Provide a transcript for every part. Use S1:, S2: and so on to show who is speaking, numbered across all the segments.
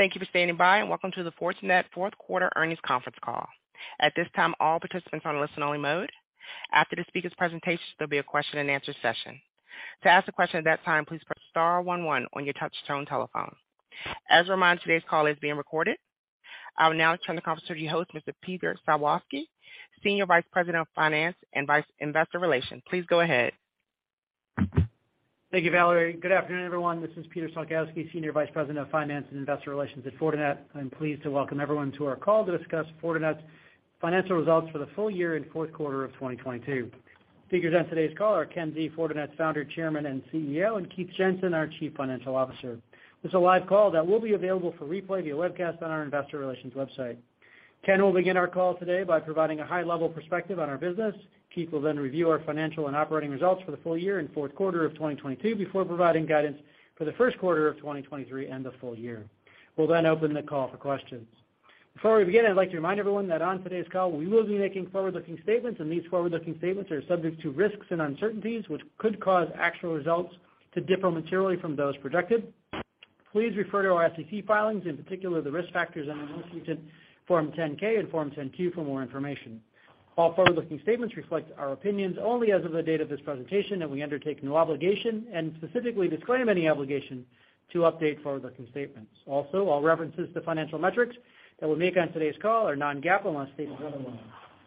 S1: Thank you for standing by, welcome to the Fortinet fourth quarter earnings conference call. At this time, all participants are on listen-only mode. After the speaker's presentation, there'll be a question-and-answer session. To ask a question at that time, please press star one one on your touchtone telephone. As a reminder, today's call is being recorded. I will now turn the conference to your host, Mr. Peter Salkowski, Senior Vice President of Finance and Investor Relations. Please go ahead.
S2: Thank you, Valerie. Good afternoon, everyone. This is Peter Salkowski, Senior Vice President of Finance and Investor Relations at Fortinet. I'm pleased to welcome everyone to our call to discuss Fortinet's financial results for the full year and fourth quarter of 2022. Speakers on today's call are Ken Xie, Fortinet's Founder, Chairman, and CEO, and Keith Jensen, our Chief Financial Officer. This is a live call that will be available for replay via webcast on our investor relations website. Ken will begin our call today by providing a high-level perspective on our business. Keith will then review our financial and operating results for the full year and fourth quarter of 2022 before providing guidance for the first quarter of 2023 and the full year. We'll then open the call for questions. Before we begin, I'd like to remind everyone that on today's call, we will be making forward-looking statements. These forward-looking statements are subject to risks and uncertainties, which could cause actual results to differ materially from those projected. Please refer to our SEC filings, in particular the risk factors in our most recent Form 10-K and Form 10-Q for more information. All forward-looking statements reflect our opinions only as of the date of this presentation. We undertake no obligation and specifically disclaim any obligation to update forward-looking statements. All references to financial metrics that we make on today's call are non-GAAP unless stated otherwise.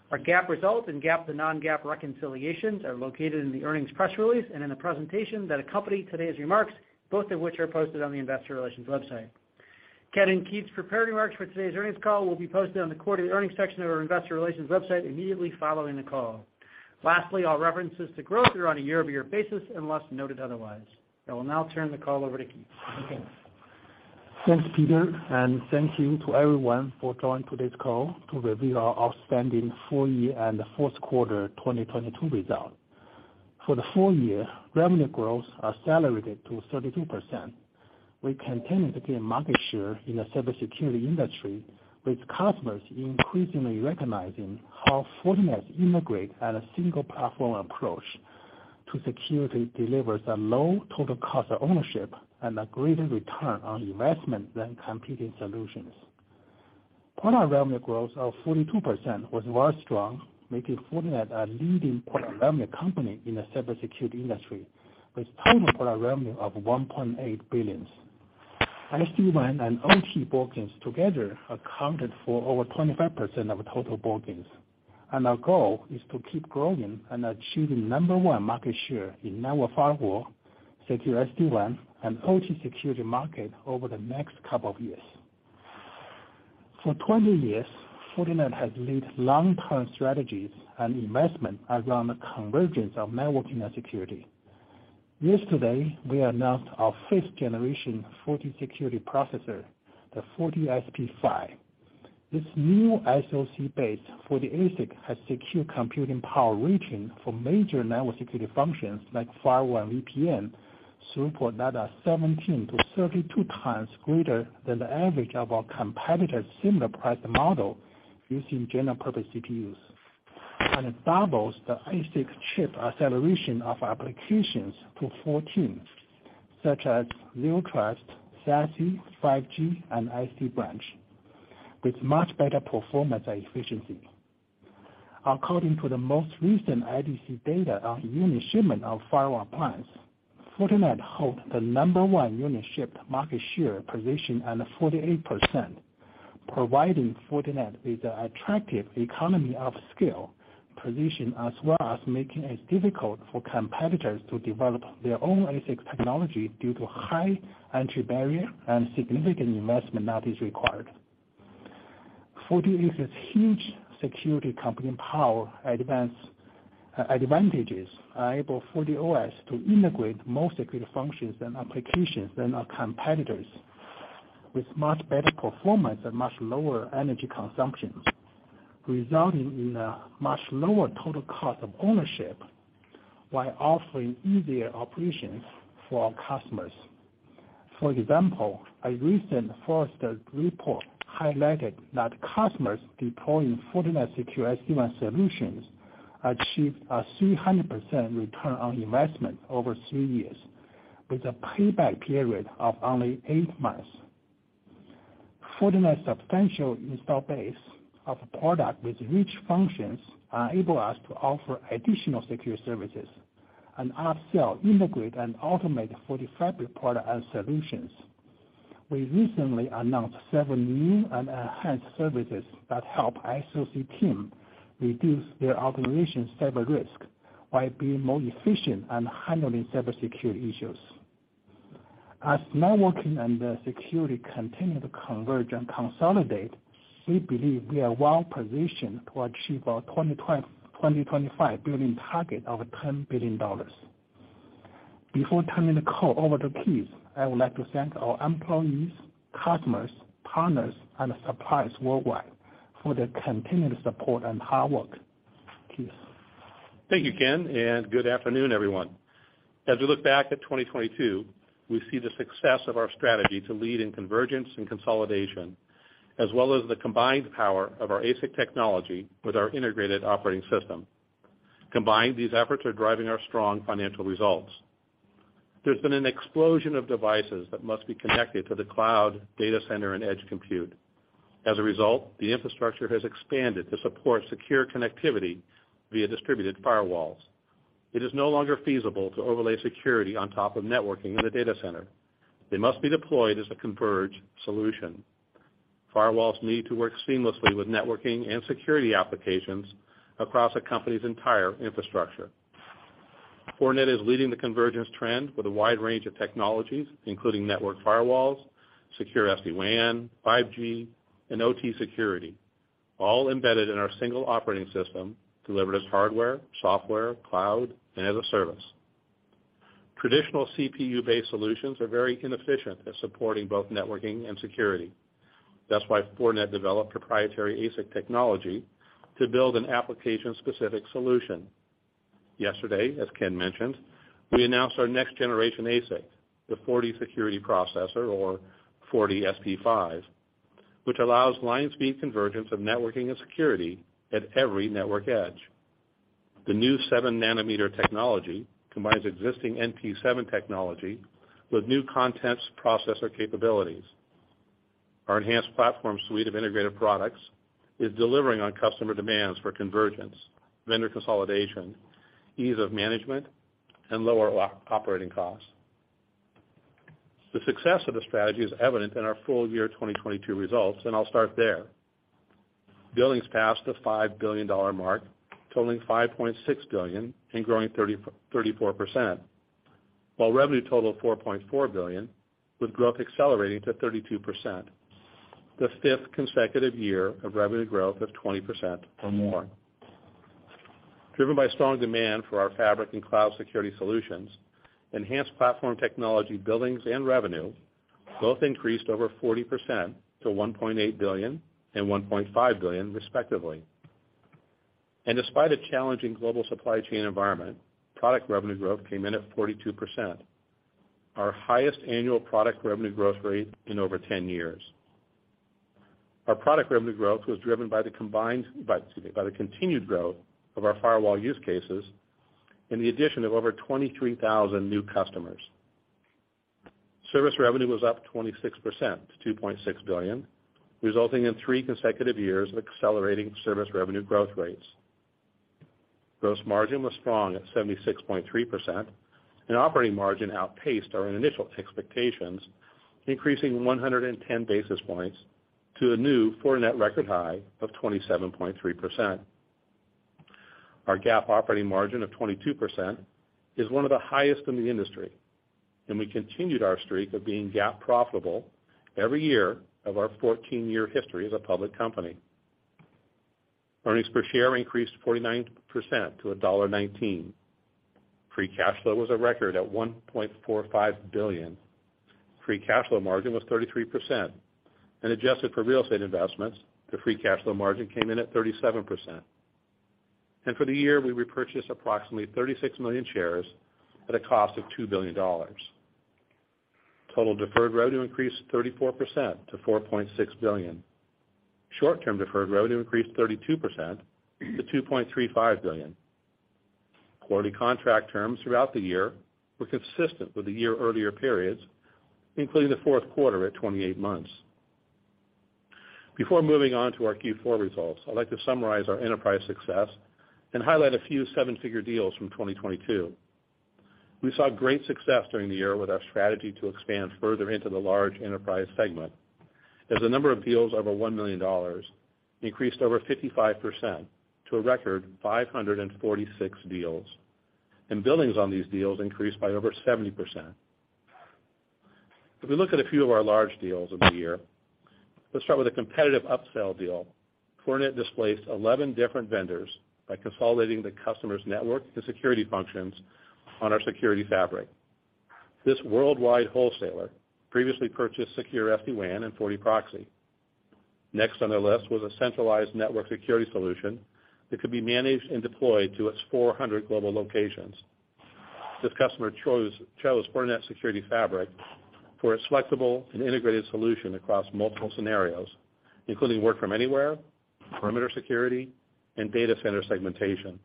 S2: Our GAAP results and GAAP to non-GAAP reconciliations are located in the earnings press release and in the presentation that accompany today's remarks, both of which are posted on the investor relations website. Ken and Keith's prepared remarks for today's earnings call will be posted on the quarterly earnings section of our investor relations website immediately following the call. Lastly, all references to growth are on a year-over-year basis, unless noted otherwise. I will now turn the call over to Ken.
S3: Thanks, Peter, thank you to everyone for joining today's call to review our outstanding full year and fourth quarter 2022 results. For the full year, revenue growth accelerated to 32%. We continue to gain market share in the cybersecurity industry, with customers increasingly recognizing how Fortinet's integrate at a single platform approach to security delivers a low total cost of ownership and a greater return on investment than competing solutions. Product revenue growth of 42% was very strong, making Fortinet a leading product revenue company in the cybersecurity industry, with total product revenue of $1.8 billion. SD-WAN and OT bookings together accounted for over 25% of total bookings. Our goal is to keep growing and achieving number one market share in network firewall, secure SD-WAN, and OT security market over the next couple of years. For 20 years, Fortinet has laid long-term strategies and investment around the convergence of networking and security. Yesterday, we announced our fifth generation FortiSecurity Processor, the FortiSP5. This new SoC-based FortiASIC has secure computing power ranging from major network security functions like firewall and VPN throughput that are 17-32x greater than the average of our competitors' similar price model using general purpose CPUs. It doubles the ASIC chip acceleration of applications to 14, such as Zero Trust, SASE, 5G, and SD-Branch, with much better performance and efficiency. According to the most recent IDC data on unit shipment of firewall appliance, Fortinet holds the number one unit shipped market share position at 48%, providing Fortinet with an attractive economy of skill position as well as making it difficult for competitors to develop their own ASIC technology due to high entry barrier and significant investment that is required. FortiASIC's huge security computing power advance, advantages are able FortiOS to integrate more security functions and applications than our competitors with much better performance and much lower energy consumption, resulting in a much lower total cost of ownership while offering easier operations for our customers. For example, a recent Forrester report highlighted that customers deploying Fortinet's secure SD-WAN solutions achieved a 300% return on investment over three years with a payback period of only eight months. Fortinet's substantial install base of product with rich functions enable us to offer additional secure services and upsell, integrate, and automate FortiFabric product and solutions. We recently announced several new and enhanced services that help SOC team reduce their operations cyber risk while being more efficient in handling cybersecurity issues. As networking and security continue to converge and consolidate, we believe we are well positioned to achieve our 2025 billion target of $10 billion. Before turning the call over to Keith, I would like to thank our employees, customers, partners, and suppliers worldwide for their continued support and hard work. Keith?
S4: Thank you, Ken. Good afternoon, everyone. As we look back at 2022, we see the success of our strategy to lead in convergence and consolidation, as well as the combined power of our ASIC technology with our integrated operating system. Combined, these efforts are driving our strong financial results. There's been an explosion of devices that must be connected to the cloud data center and edge compute. As a result, the infrastructure has expanded to support secure connectivity via distributed firewalls. It is no longer feasible to overlay security on top of networking in the data center. They must be deployed as a converged solution. Firewalls need to work seamlessly with networking and security applications across a company's entire infrastructure. Fortinet is leading the convergence trend with a wide range of technologies, including network firewalls, secure SD-WAN, 5G, and OT security, all embedded in our single operating system, delivered as hardware, software, cloud, and as a service. Traditional CPU-based solutions are very inefficient at supporting both networking and security. That's why Fortinet developed proprietary ASIC technology to build an application-specific solution. Yesterday, as Ken mentioned, we announced our next-generation ASIC, the Fortinet Security Processor or FortiSP5, which allows line speed convergence of networking and security at every network edge. The new 7-nanometer technology combines existing NP7 technology with new content processor capabilities. Our enhanced platform suite of integrated products is delivering on customer demands for convergence, vendor consolidation, ease of management, and lower operating costs. The success of the strategy is evident in our full year 2022 results. I'll start there. Billings passed the $5 billion mark, totaling $5.6 billion and growing 34%, while revenue totaled $4.4 billion, with growth accelerating to 32%, the fifth consecutive year of revenue growth of 20% or more. Driven by strong demand for our fabric and cloud security solutions, enhanced platform technology billings and revenue both increased over 40% to $1.8 billion and $1.5 billion, respectively. Despite a challenging global supply chain environment, product revenue growth came in at 42%, our highest annual product revenue growth rate in over 10 years. Our product revenue growth was driven by the continued growth of our firewall use cases and the addition of over 23,000 new customers. Service revenue was up 26% to $2.6 billion, resulting in three consecutive years of accelerating service revenue growth rates. Gross margin was strong at 76.3%, and operating margin outpaced our initial expectations, increasing 110 basis points to a new Fortinet record high of 27.3%. Our GAAP operating margin of 22% is one of the highest in the industry. We continued our streak of being GAAP profitable every year of our 14-year history as a public company. Earnings per share increased 49% to $1.19. Free cash flow was a record at $1.45 billion. Free cash flow margin was 33%. Adjusted for real estate investments, the free cash flow margin came in at 37%. For the year, we repurchased approximately 36 million shares at a cost of $2 billion. Total deferred revenue increased 34% to $4.6 billion. Short-term deferred revenue increased 32% to $2.35 billion. Quarterly contract terms throughout the year were consistent with the year earlier periods, including the fourth quarter at 28 months. Before moving on to our Q4 results, I'd like to summarize our enterprise success and highlight a few seven-figure deals from 2022. We saw great success during the year with our strategy to expand further into the large enterprise segment as the number of deals over $1 million increased over 55% to a record 546 deals. Billings on these deals increased by over 70%. If we look at a few of our large deals of the year, let's start with a competitive upsell deal. Fortinet displaced 11 different vendors by consolidating the customer's network and security functions on our Security Fabric. This worldwide wholesaler previously purchased secure SD-WAN and FortiProxy. Next on their list was a centralized network security solution that could be managed and deployed to its 400 global locations. This customer chose Fortinet's Security Fabric for its flexible and integrated solution across multiple scenarios, including work from anywhere, perimeter security, and data center segmentation.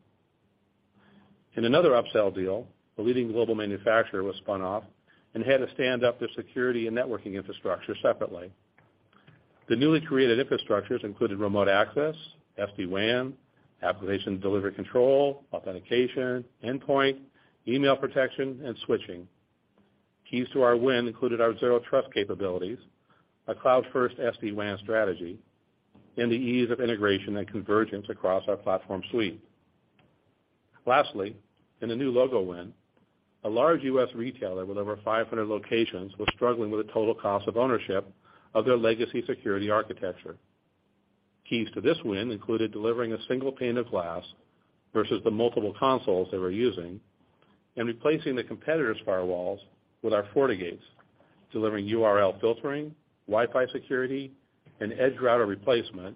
S4: Another upsell deal, a leading global manufacturer was spun off and had to stand up their security and networking infrastructure separately. The newly created infrastructures included remote access, SD-WAN, application delivery control, authentication, endpoint, email protection, and switching. Keys to our win included our Zero Trust capabilities, a cloud-first SD-WAN strategy, and the ease of integration and convergence across our platform suite. In a new logo win, a large U.S. retailer with over 500 locations was struggling with the total cost of ownership of their legacy security architecture. Keys to this win included delivering a single pane of glass versus the multiple consoles they were using, and replacing the competitor's firewalls with our FortiGates, delivering URL filtering, Wi-Fi security, and edge router replacement,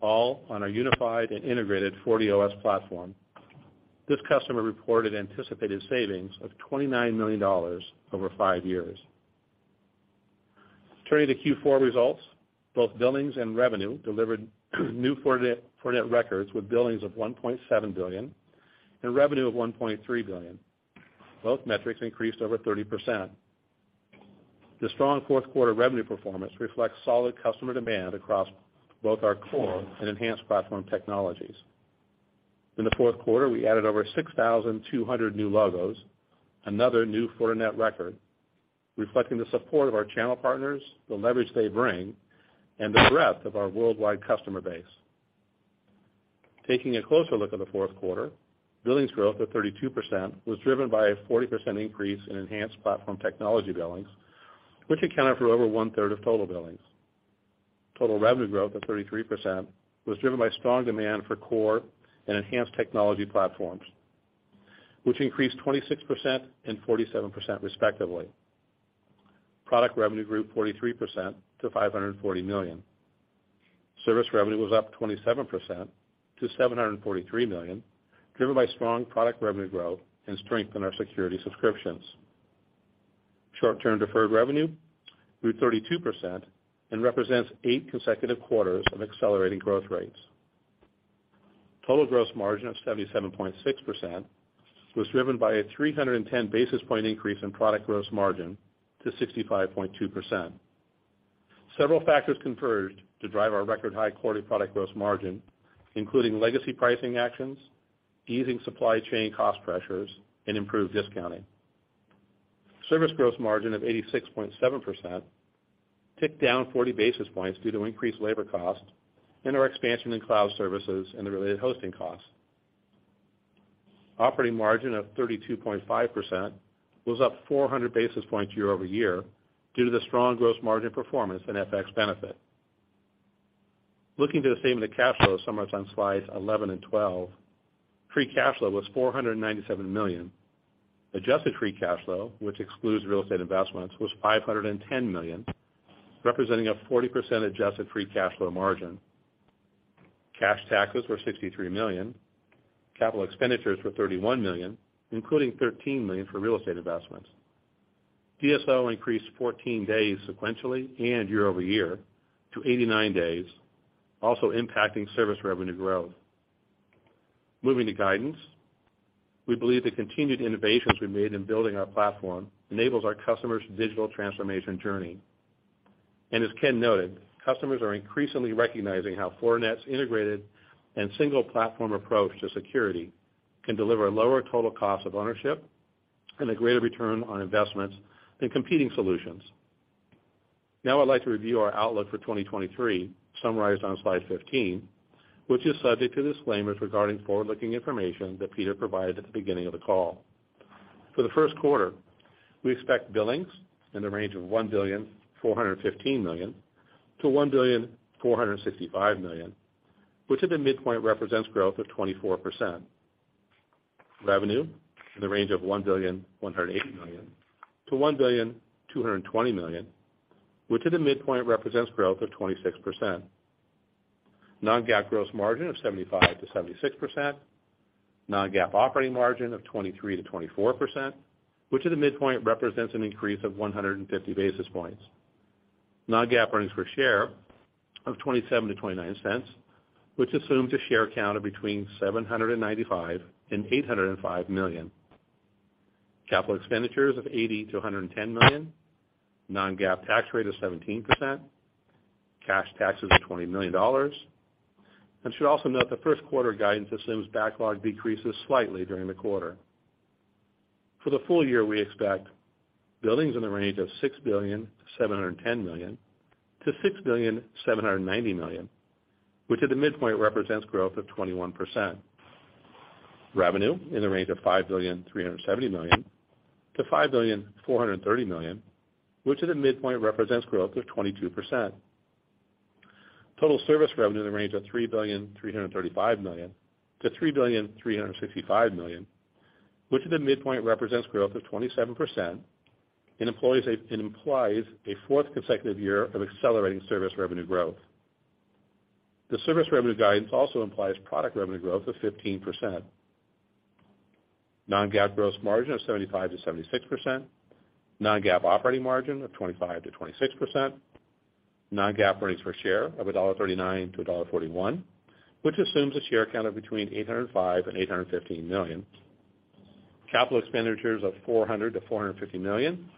S4: all on our unified and integrated FortiOS platform. This customer reported anticipated savings of $29 million over five years. Turning to Q4 results, both billings and revenue delivered new Fortinet records with billings of $1.7 billion and revenue of $1.3 billion. Both metrics increased over 30%. The strong fourth quarter revenue performance reflects solid customer demand across both our core and enhanced platform technologies. In the fourth quarter, we added over 6,200 new logos, another new Fortinet record, reflecting the support of our channel partners, the leverage they bring, and the breadth of our worldwide customer base. Taking a closer look at the fourth quarter, billings growth of 32% was driven by a 40% increase in enhanced platform technology billings, which accounted for over 1/3 of total billings. Total revenue growth of 33% was driven by strong demand for core and enhanced technology platforms, which increased 26% and 47% respectively. Product revenue grew 43% to $540 million. Service revenue was up 27% to $743 million, driven by strong product revenue growth and strength in our security subscriptions. Short-term deferred revenue grew 32% and represents eight consecutive quarters of accelerating growth rates. Total gross margin of 77.6% was driven by a 310 basis point increase in product gross margin to 65.2%. Several factors converged to drive our record high quarterly product gross margin, including legacy pricing actions, easing supply chain cost pressures, and improved discounting. Service gross margin of 86.7% ticked down 40 basis points due to increased labor costs and our expansion in cloud services and the related hosting costs. Operating margin of 32.5% was up 400 basis points year-over-year due to the strong gross margin performance and FX benefit. Looking to the statement of cash flow summarized on slides 11 and 12, free cash flow was $497 million. Adjusted free cash flow, which excludes real estate investments, was $510 million, representing a 40% adjusted free cash flow margin. Cash taxes were $63 million. Capital expenditures were $31 million, including $13 million for real estate investments. DSO increased 14 days sequentially and year-over-year to 89 days, also impacting service revenue growth. Moving to guidance. We believe the continued innovations we've made in building our platform enables our customers' digital transformation journey. As Ken noted, customers are increasingly recognizing how Fortinet's integrated and single platform approach to security can deliver a lower total cost of ownership and a greater return on investments than competing solutions. I'd like to review our outlook for 2023, summarized on slide 15, which is subject to disclaimers regarding forward-looking information that Peter provided at the beginning of the call. For the first quarter, we expect billings in the range of $1.415 billion-$1.465 billion, which at the midpoint represents growth of 24%. Revenue in the range of $1.18 billion-$1.22 billion, which at the midpoint represents growth of 26%. non-GAAP gross margin of 75%-76%. non-GAAP operating margin of 23%-24%, which at the midpoint represents an increase of 150 basis points. non-GAAP earnings per share of $0.27-$0.29, which assumes a share count of between 795 million and 805 million. Capital expenditures of $80 million-$110 million. non-GAAP tax rate of 17%. Cash taxes of $20 million. Should also note the first quarter guidance assumes backlog decreases slightly during the quarter. For the full year, we expect billings in the range of $6.71 billion-$6.79 billion, which at the midpoint represents growth of 21%. Revenue in the range of $5.37 billion-$5.43 billion, which at the midpoint represents growth of 22%. Total service revenue in the range of $3.335 billion-$3.365 billion, which at the midpoint represents growth of 27% and implies a fourth consecutive year of accelerating service revenue growth. The service revenue guidance also implies product revenue growth of 15%. Non-GAAP gross margin of 75%-76%. Non-GAAP operating margin of 25%-26%. Non-GAAP earnings per share of $1.39-$1.41, which assumes a share count of between 805 million and 815 million. Capital expenditures of $400 million-$450 million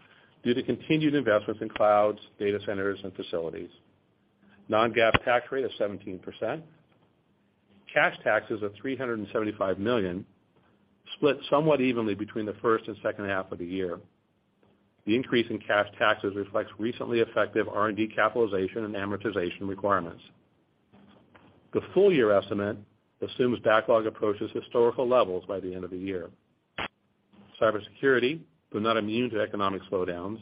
S4: due to continued investments in clouds, data centers, and facilities. Non-GAAP tax rate of 17%. Cash taxes of $375 million split somewhat evenly between the first and second half of the year. The increase in cash taxes reflects recently effective R&D capitalization and amortization requirements. The full year estimate assumes backlog approaches historical levels by the end of the year. Cybersecurity, though not immune to economic slowdowns,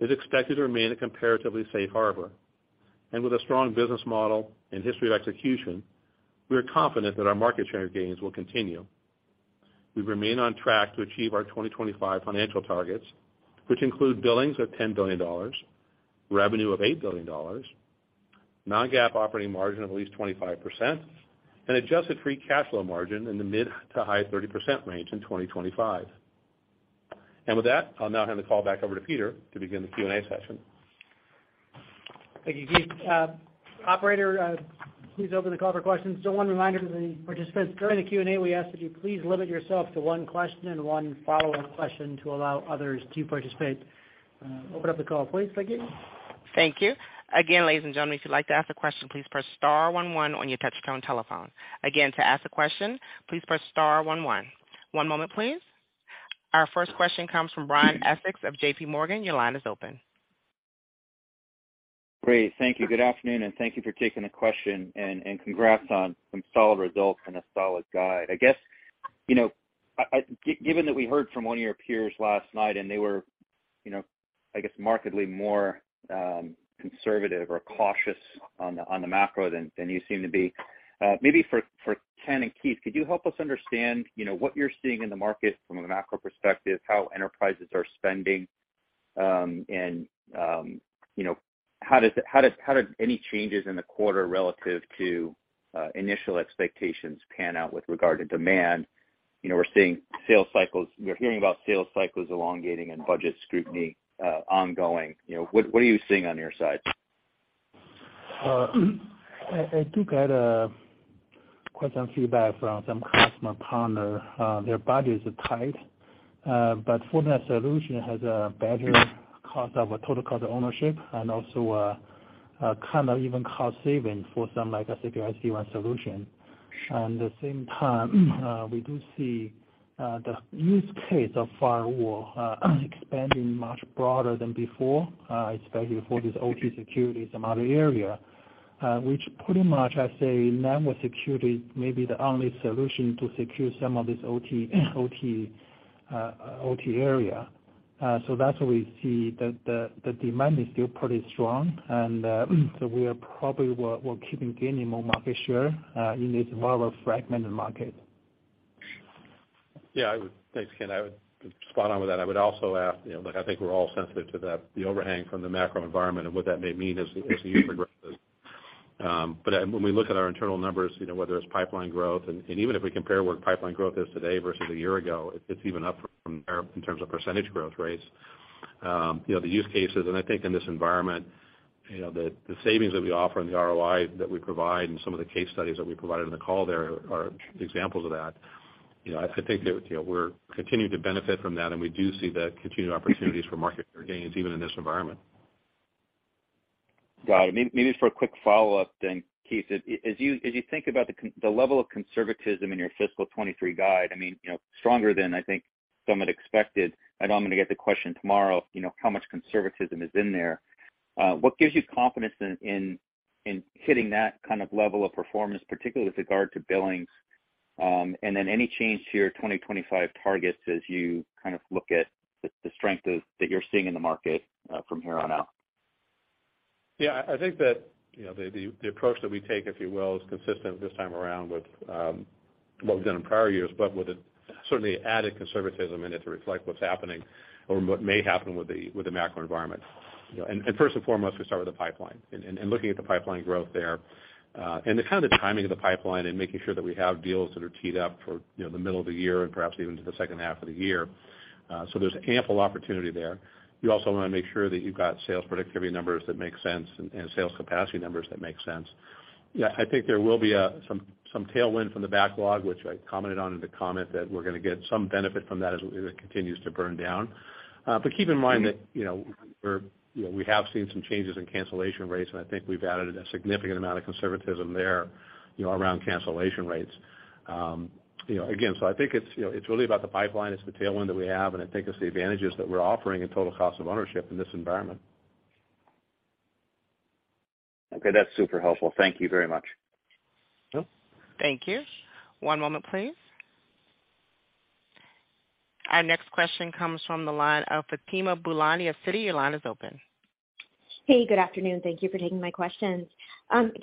S4: is expected to remain a comparatively safe harbor. With a strong business model and history of execution, we are confident that our market share gains will continue. We remain on track to achieve our 2025 financial targets, which include billings of $10 billion, revenue of $8 billion, non-GAAP operating margin of at least 25%, and adjusted free cash flow margin in the mid to high 30% range in 2025. With that, I'll now hand the call back over to Peter to begin the Q&A session.
S2: Thank you, Keith. Operator, please open the call for questions. One reminder to the participants. During the Q&A, we ask that you please limit yourself to 1 question and 1 follow-up question to allow others to participate. Open up the call, please. Thank you.
S1: Thank you. Again, ladies and gentlemen, if you'd like to ask a question, please press star one one on your touch-tone telephone. Again, to ask a question, please press star one one. One moment, please. Our first question comes from Brian Essex of J.P. Morgan. Your line is open.
S5: Great. Thank you. Good afternoon. Thank you for taking the question. Congrats on some solid results and a solid guide. I guess, you know, given that we heard from one of your peers last night and they were, you know, I guess markedly more conservative or cautious on the macro than you seem to be, maybe for Ken and Keith, could you help us understand, you know, what you're seeing in the market from a macro perspective, how enterprises are spending, and, you know, how did any changes in the quarter relative to initial expectations pan out with regard to demand? You know, we're hearing about sales cycles elongating and budget scrutiny ongoing. You know, what are you seeing on your side?
S3: I do get quite some feedback from some customer partner. Their budgets are tight, but Fortinet solution has a better cost of a total cost of ownership and also kind of even cost savings for some, like I said, SD-WAN solution. At the same time, we do see the use case of firewall expanding much broader than before, especially for this OT security, some other area, which pretty much I say network security may be the only solution to secure some of this OT, OT area. So that's what we see, that the demand is still pretty strong. So we are probably we're keeping gaining more market share in this rather fragmented market.
S4: Thanks, Ken. I would spot on with that. I would also add, you know, look, I think we're all sensitive to the overhang from the macro environment and what that may mean as the year progresses. When we look at our internal numbers, you know, whether it's pipeline growth, and even if we compare where pipeline growth is today versus a year ago, it's even up from there in terms of percentage growth rates. You know, the use cases, and I think in this environment, you know, the savings that we offer and the ROI that we provide and some of the case studies that we provided in the call there are examples of that. You know, I think that, you know, we're continuing to benefit from that, and we do see the continued opportunities for market share gains even in this environment.
S5: Got it. Maybe just for a quick follow-up then, Keith. As you think about the level of conservatism in your fiscal 23 guide, I mean, you know, stronger than I think some had expected. I know I'm gonna get the question tomorrow, you know, how much conservatism is in there. What gives you confidence in hitting that kind of level of performance, particularly with regard to billings? And then any change to your 2025 targets as you kind of look at the strength that you're seeing in the market, from here on out?
S4: I think that, you know, the approach that we take, if you will, is consistent this time around with what we've done in prior years, but with a certainly added conservatism in it to reflect what's happening or what may happen with the macro environment. You know, first and foremost, we start with the pipeline and looking at the pipeline growth there, and the kind of the timing of the pipeline and making sure that we have deals that are teed up for, you know, the middle of the year and perhaps even to the second half of the year. There's ample opportunity there. You also wanna make sure that you've got sales predictability numbers that make sense and sales capacity numbers that make sense. I think there will be some tailwind from the backlog, which I commented on in the comment that we're gonna get some benefit from that as it continues to burn down. Keep in mind that, you know, we're, you know, we have seen some changes in cancellation rates, and I think we've added a significant amount of conservatism there, you know, around cancellation rates. You know, again, I think it's, you know, it's really about the pipeline. It's the tailwind that we have, and I think it's the advantages that we're offering in total cost of ownership in this environment.
S5: Okay. That's super helpful. Thank you very much.
S4: Sure.
S1: Thank you. One moment please. Our next question comes from the line of Fatima Boolani of Citi. Your line is open.
S6: Hey, good afternoon. Thank you for taking my questions.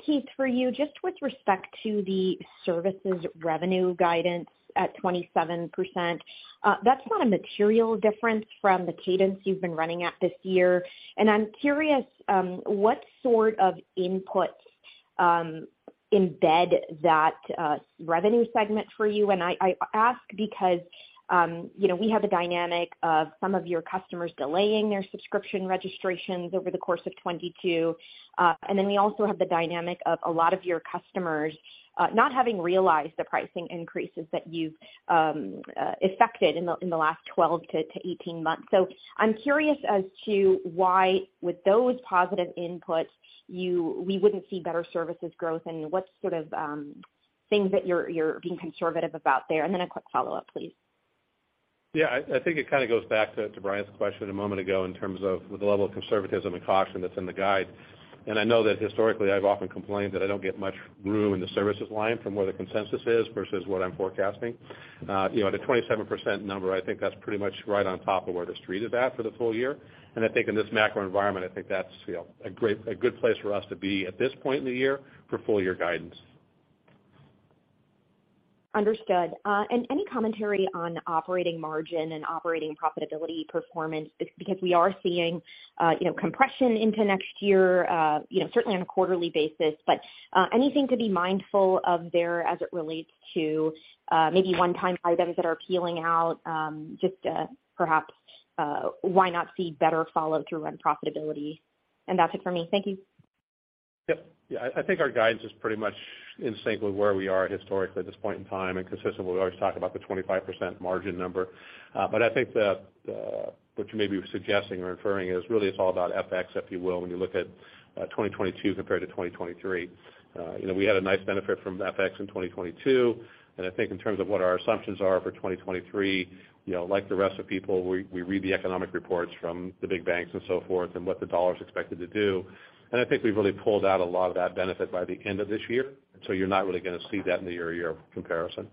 S6: Keith, for you, just with respect to the services revenue guidance at 27%, that's not a material difference from the cadence you've been running at this year. I'm curious, what sort of inputs embed that revenue segment for you? I ask because, you know, we have a dynamic of some of your customers delaying their subscription registrations over the course of 2022. We also have the dynamic of a lot of your customers not having realized the pricing increases that you've effected in the last 12-18 months. I'm curious as to why, with those positive inputs, we wouldn't see better services growth and what sort of things that you're being conservative about there. A quick follow-up, please.
S4: Yeah. I think it kinda goes back to Brian's question a moment ago in terms of with the level of conservatism and caution that's in the guide. I know that historically, I've often complained that I don't get much room in the services line from where the consensus is versus what I'm forecasting. you know, at a 27% number, I think that's pretty much right on top of where the street is at for the full year. I think in this macro environment, I think that's, you know, a good place for us to be at this point in the year for full year guidance.
S6: Understood. Any commentary on operating margin and operating profitability performance, because we are seeing, you know, compression into next year, you know, certainly on a quarterly basis? Anything to be mindful of there as it relates to, maybe one-time items that are peeling out, just perhaps, why not see better follow-through on profitability? That's it for me. Thank you.
S4: Yep. Yeah, I think our guidance is pretty much in sync with where we are historically at this point in time, and consistent. We always talk about the 25% margin number. I think that what you may be suggesting or inferring is really it's all about FX, if you will, when you look at 2022 compared to 2023. You know, we had a nice benefit from FX in 2022, and I think in terms of what our assumptions are for 2023, you know, like the rest of people, we read the economic reports from the big banks and so forth, and what the dollar's expected to do. I think we've really pulled out a lot of that benefit by the end of this year, so you're not really gonna see that in the year-over-year comparison.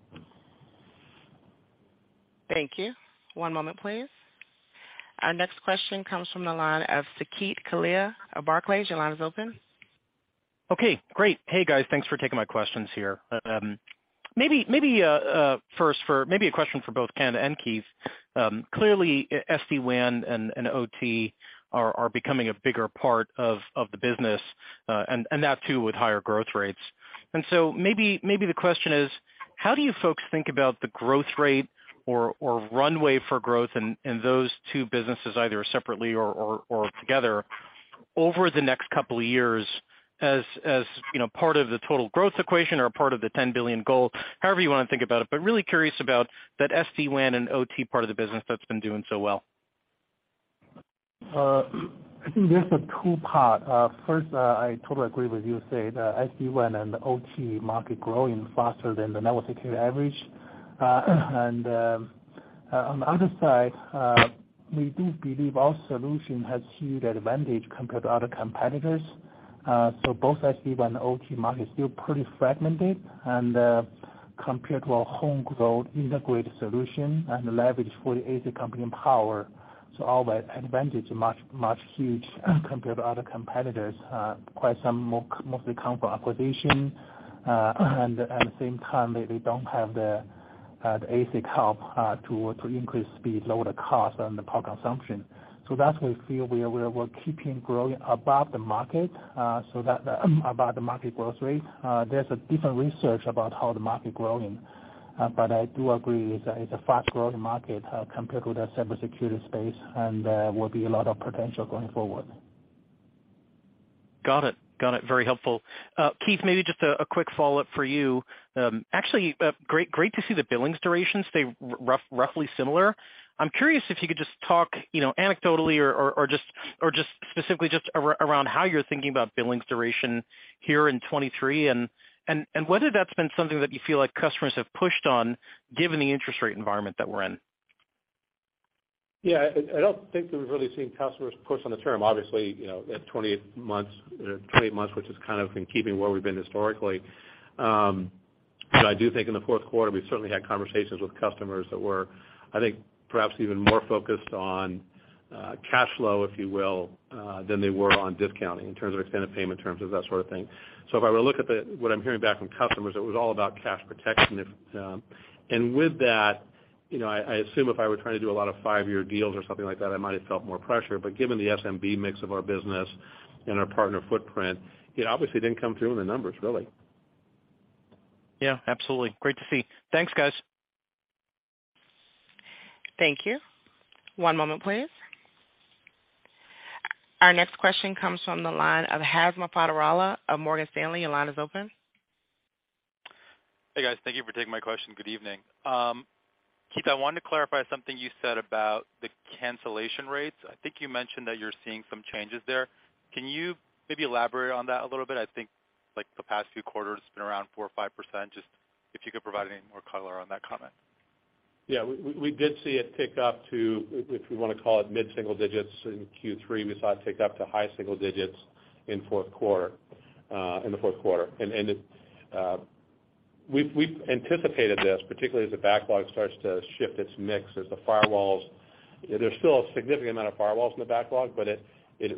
S1: Thank you. One moment, please. Our next question comes from the line of Saket Kalia of Barclays. Your line is open.
S7: Okay. Great. Hey, guys, thanks for taking my questions here. Maybe, first for maybe a question for both Ken and Keith. Clearly, SD-WAN and OT are becoming a bigger part of the business, and that too, with higher growth rates. Maybe the question is: How do you folks think about the growth rate or runway for growth in those two businesses, either separately or together over the next couple of years as, you know, part of the total growth equation or part of the $10 billion goal, however you wanna think about it, but really curious about that SD-WAN and OT part of the business that's been doing so well.
S3: I think there's a two-part. First, I totally agree with you, Saket. SD-WAN and the OT market growing faster than the network security average. On the other side, we do believe our solution has huge advantage compared to other competitors. Both SD-WAN, OT market is still pretty fragmented and, compared to our home-grown integrated solution and leverage for the ASIC computing power. Our advantage much huge compared to other competitors, quite some more mostly come from acquisition. At the same time, they don't have the ASIC help to increase speed, lower the cost and the power consumption. That's why we feel we're keeping growing above the market, so that... Above the market growth rate. There's a different research about how the market growing, but I do agree it's a fast-growing market, compared to the cybersecurity space and will be a lot of potential going forward.
S7: Got it. Got it. Very helpful. Keith, maybe just a quick follow-up for you. Actually, great to see the billings duration stay roughly similar. I'm curious if you could just talk, you know, anecdotally or just specifically around how you're thinking about billings duration here in 23 and whether that's been something that you feel like customers have pushed on given the interest rate environment that we're in?
S4: Yeah. I don't think that we've really seen customers push on the term. Obviously, you know, at 20 months, you know, 28 months, which has kind of been keeping where we've been historically. I do think in the fourth quarter, we've certainly had conversations with customers that were, I think, perhaps even more focused on cash flow, if you will, than they were on discounting in terms of extended payment terms and that sort of thing. If I were to look at the what I'm hearing back from customers, it was all about cash protection if. With that, you know, I assume if I were trying to do a lot of five-year deals or something like that, I might have felt more pressure. Given the SMB mix of our business and our partner footprint, it obviously didn't come through in the numbers, really.
S7: Yeah, absolutely. Great to see. Thanks, guys.
S1: Thank you. One moment, please. Our next question comes from the line of Hamza Fodderwala of Morgan Stanley. Your line is open.
S8: Hey, guys. Thank you for taking my question. Good evening. Keith, I wanted to clarify something you said about the cancellation rates. I think you mentioned that you're seeing some changes there. Can you maybe elaborate on that a little bit? I think, like, the past few quarters, it's been around 4% or 5%. Just if you could provide any more color on that comment.
S4: Yeah. We did see it tick up to, if we wanna call it mid-single digits in Q3. We saw it tick up to high single digits in the fourth quarter. We've anticipated this, particularly as the backlog starts to shift its mix as the firewalls. There's still a significant amount of firewalls in the backlog, but it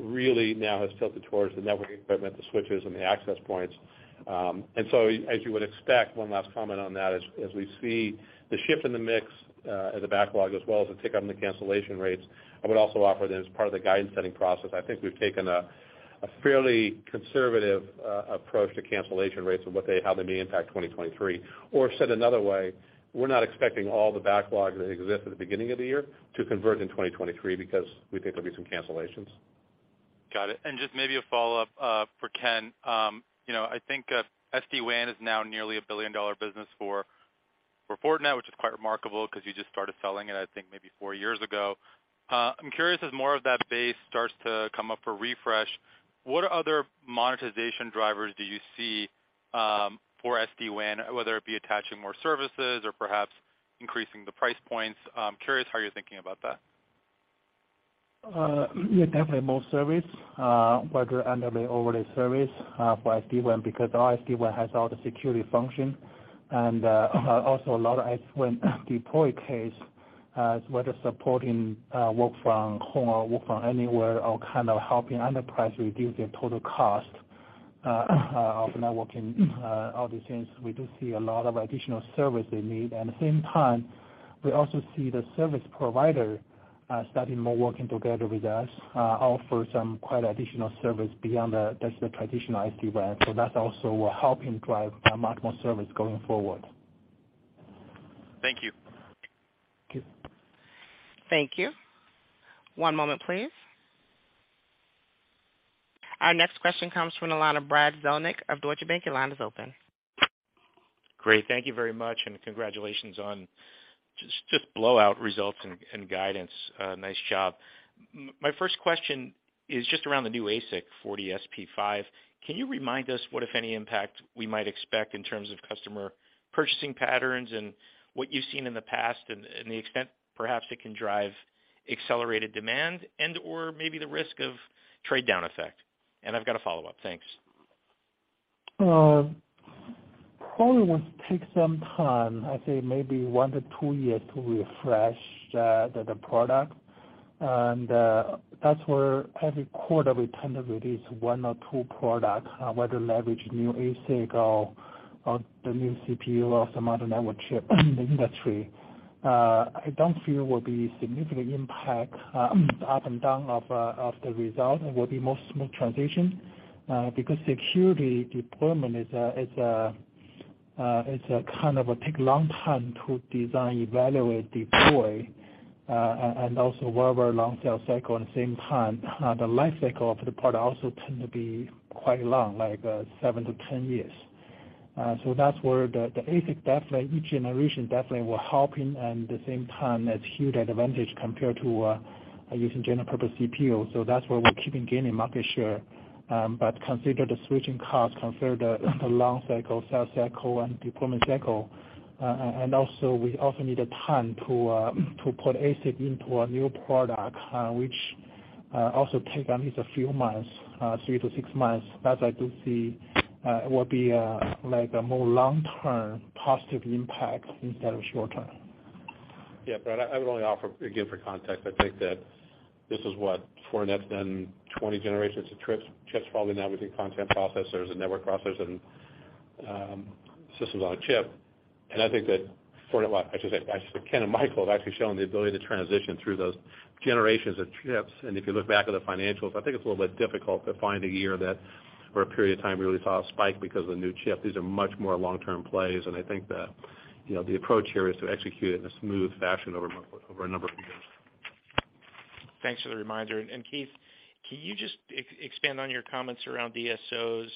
S4: really now has tilted towards the networking equipment, the switches and the access points. As you would expect, one last comment on that, as we see the shift in the mix, as a backlog as well as a tick on the cancellation rates, I would also offer that as part of the guidance-setting process, I think we've taken a fairly conservative approach to cancellation rates and how they may impact 2023. Said another way, we're not expecting all the backlogs that exist at the beginning of the year to convert in 2023 because we think there'll be some cancellations.
S8: Got it. Just maybe a follow-up for Ken. You know, I think SD-WAN is now nearly a billion-dollar business for Fortinet, which is quite remarkable 'cause you just started selling it, I think, maybe four years ago. I'm curious as more of that base starts to come up for refresh, what other monetization drivers do you see for SD-WAN, whether it be attaching more services or perhaps increasing the price points? I'm curious how you're thinking about that.
S3: Yeah, definitely more service, whether underlay, overlay service, for SD-WAN because our SD-WAN has all the security function. Also a lot of SD-WAN deploy case, whether supporting, work from home or work from anywhere or kind of helping enterprise reduce their total cost of networking, all these things, we do see a lot of additional service they need. At the same time, we also see the service provider starting more working together with us, offer some quite additional service beyond the traditional SD-WAN. That's also helping drive much more service going forward.
S8: Thank you.
S1: Thank you. One moment, please. Our next question comes from the line of Brad Zelnick of Deutsche Bank. Your line is open.
S9: Great. Thank you very much, congratulations on just blowout results and guidance. Nice job. My first question is just around the new ASIC FortiSP5. Can you remind us what, if any, impact we might expect in terms of customer purchasing patterns and what you've seen in the past and the extent perhaps it can drive accelerated demand and/or maybe the risk of trade-down effect? I've got a follow-up. Thanks.
S3: Probably will take some time, I'd say maybe 1-2 years to refresh the product. That's where every quarter we tend to release one or two product, whether leverage new ASIC or the new CPU or some other network chip in the industry. I don't feel will be significant impact, up and down of the result. It will be more smooth transition because security deployment is a kind of a take long time to design, evaluate, deploy. Also very, very long sales cycle at the same time. The life cycle of the product also tend to be quite long, like 7-10 years. That's where the ASIC definitely, each generation definitely will help in, and the same time, it's huge advantage compared to using general purpose CPU. That's where we're keeping gaining market share. Consider the switching costs, consider the long cycle, sales cycle and deployment cycle. Also we often need a time to put ASIC into a new product, which also take at least a few months, 3-6 months. That I do see will be like a more long-term positive impact instead of short term.
S4: Yeah, Brad, I would only offer, again, for context, I think that this is what, Fortinet, been 20 generations of chips, probably now between content processors and network processors and systems on a chip. I think that for what I should say, Ken and Michael have actually shown the ability to transition through those generations of chips. If you look back at the financials, I think it's a little bit difficult to find a year that or a period of time we really saw a spike because of the new chip. These are much more long-term plays. I think that, you know, the approach here is to execute it in a smooth fashion over a number of years.
S9: Thanks for the reminder. Keith, can you just expand on your comments around DSOs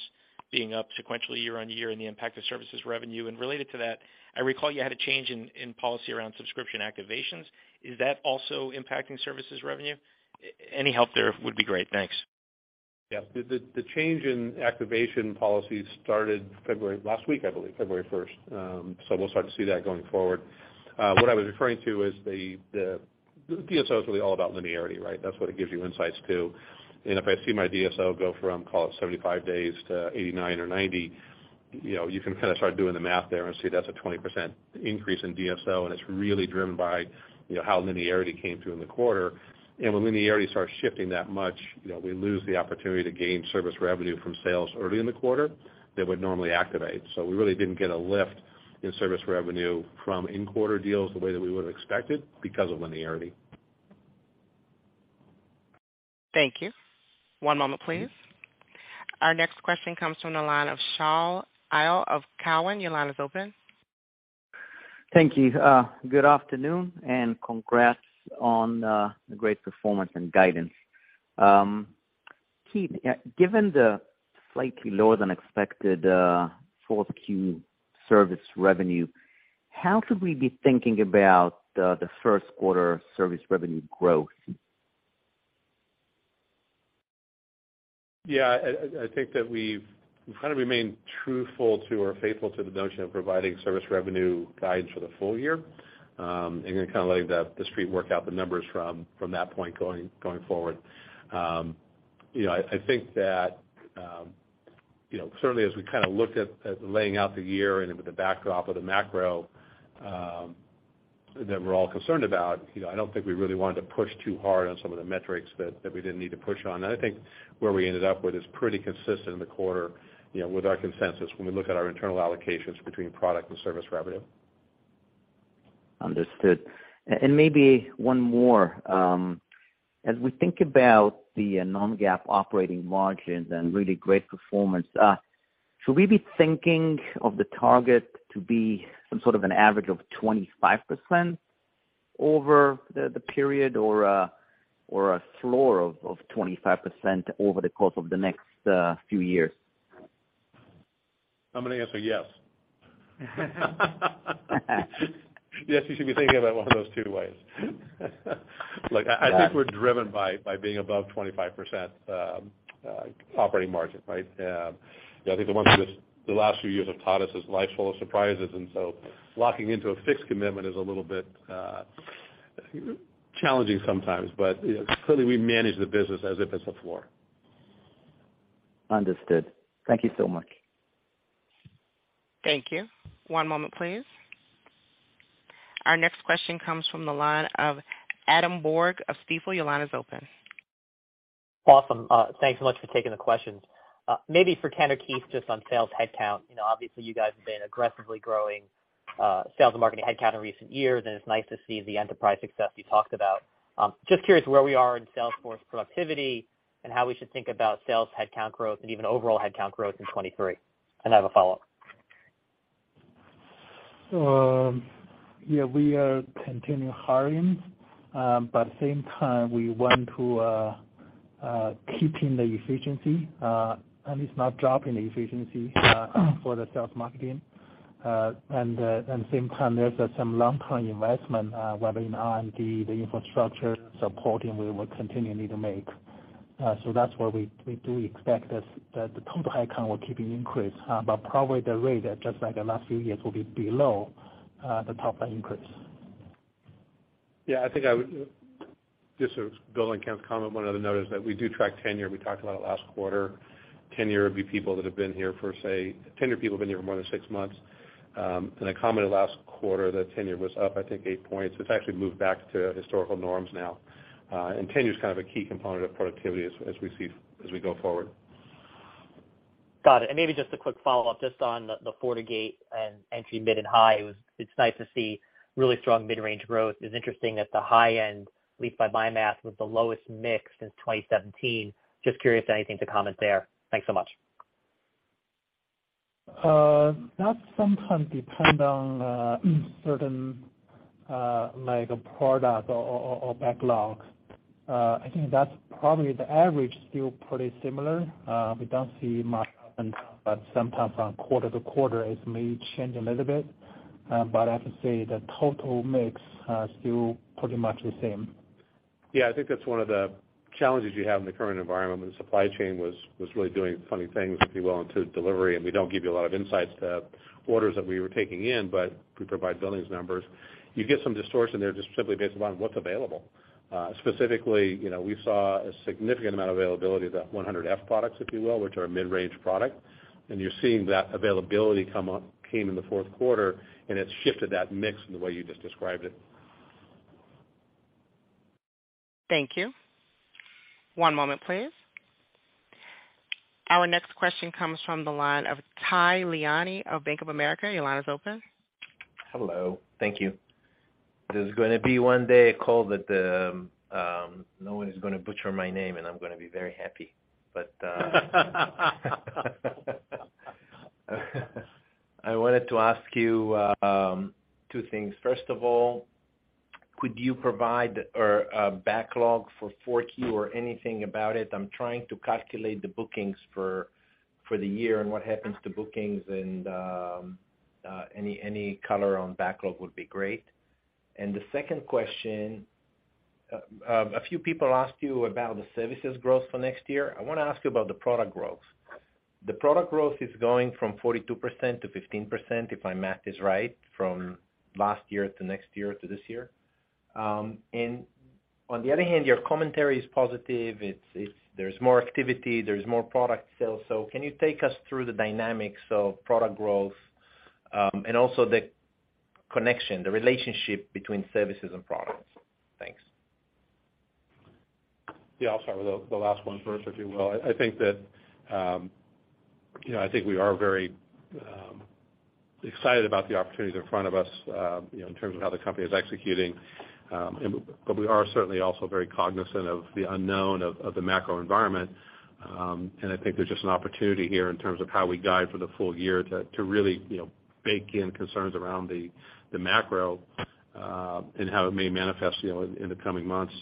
S9: being up sequentially year-on-year and the impact of services revenue? Related to that, I recall you had a change in policy around subscription activations. Is that also impacting services revenue? Any help there would be great. Thanks.
S4: The change in activation policy started last week, I believe, February 1st. We'll start to see that going forward. What I was referring to is the DSO is really all about linearity, right? That's what it gives you insights to. If I see my DSO go from, call it 75 days to 89 or 90, you know, you can kind of start doing the math there and see that's a 20% increase in DSO, and it's really driven by, you know, how linearity came through in the quarter. When linearity starts shifting that much, you know, we lose the opportunity to gain service revenue from sales early in the quarter that would normally activate. We really didn't get a lift in service revenue from in-quarter deals the way that we would have expected because of linearity.
S1: Thank you. One moment, please. Our next question comes from the line of Shaul Eyal of Cowen. Your line is open.
S10: Thank you. Good afternoon and congrats on the great performance and guidance. Keith, given the slightly lower than expected, 4Q service revenue, how should we be thinking about the first quarter service revenue growth?
S4: Yeah, I think that we've kind of remained truthful to or faithful to the notion of providing service revenue guidance for the full year, and then kind of letting the street work out the numbers from that point going forward. You know, I think that, you know, certainly as we kind of looked at laying out the year and with the backdrop of the macro that we're all concerned about, you know, I don't think we really wanted to push too hard on some of the metrics that we didn't need to push on. I think where we ended up with is pretty consistent in the quarter, you know, with our consensus when we look at our internal allocations between product and service revenue.
S10: Understood. Maybe one more. As we think about the non-GAAP operating margins and really great performance, should we be thinking of the target to be some sort of an average of 25% over the period or a floor of 25% over the course of the next few years?
S4: I'm gonna answer yes. Yes, you should be thinking about one of those two ways. Look, I think we're driven by being above 25% operating margin, right? Yeah, I think the one thing that the last few years have taught us is life's full of surprises, and so locking into a fixed commitment is a little bit challenging sometimes. You know, clearly we manage the business as if it's a floor.
S10: Understood. Thank you so much.
S1: Thank you. One moment, please. Our next question comes from the line of Adam Borg of Stifel. Your line is open.
S11: Awesome. Thanks so much for taking the questions. Maybe for Ken or Keith, just on sales headcount. You know, obviously you guys have been aggressively growing, sales and marketing headcount in recent years, and it's nice to see the enterprise success you talked about. Just curious where we are in sales force productivity and how we should think about sales headcount growth and even overall headcount growth in 23. I have a follow-up.
S3: Yeah, we are continuing hiring, but same time we want to keeping the efficiency, at least not dropping the efficiency, for the sales marketing. Same time there's some long-term investment, whether in R&D, the infrastructure supporting we will continually to make. That's where we do expect this, that the total headcount will keep increasing, but probably the rate, just like the last few years, will be below the top line increase.
S4: Just to build on Ken's comment, one other note is that we do track tenure. We talked about it last quarter. Tenure would be people that have been here. Tenure people have been here for more than six months. I commented last quarter that tenure was up, I think eight points. It's actually moved back to historical norms now. Tenure's kind of a key component of productivity as we go forward.
S11: Got it. Maybe just a quick follow-up just on the FortiGate and entry mid and high. It's nice to see really strong mid-range growth. It's interesting that the high end, at least by mass, was the lowest mix since 2017. Just curious if anything to comment there. Thanks so much.
S3: That sometimes depend on certain like product or backlogs. I think that's probably the average still pretty similar. We don't see much up and down, but sometimes from quarter to quarter it may change a little bit. I have to say the total mix are still pretty much the same.
S4: Yeah, I think that's one of the challenges you have in the current environment when the supply chain was really doing funny things, if you will, into delivery, and we don't give you a lot of insights to orders that we were taking in, but we provide billings numbers. You get some distortion there just simply based upon what's available. Specifically, you know, we saw a significant amount of availability of the 100F products, if you will, which are a mid-range product. You're seeing that availability come up, came in the fourth quarter, and it's shifted that mix in the way you just described it.
S1: Thank you. One moment please. Our next question comes from the line of Tal Liani of Bank of America. Your line is open.
S12: Hello. Thank you. There's gonna be one day a call that no one is gonna butcher my name, and I'm gonna be very happy. I wanted to ask you two things. First of all, could you provide or backlog for 4Q or anything about it? I'm trying to calculate the bookings for the year and what happens to bookings and any color on backlog would be great. The second question, a few people asked you about the services growth for next year. I wanna ask you about the product growth. The product growth is going from 42%-15%, if my math is right, from last year to next year to this year. On the other hand, your commentary is positive. There's more activity, there's more product sales. Can you take us through the dynamics of product growth, and also the connection, the relationship between services and products? Thanks.
S4: Yeah, I'll start with the last one first, if you will. I think that, you know, I think we are very excited about the opportunities in front of us, you know, in terms of how the company is executing. We are certainly also very cognizant of the unknown of the macro environment. I think there's just an opportunity here in terms of how we guide for the full year to really, you know, bake in concerns around the macro and how it may manifest, you know, in the coming months,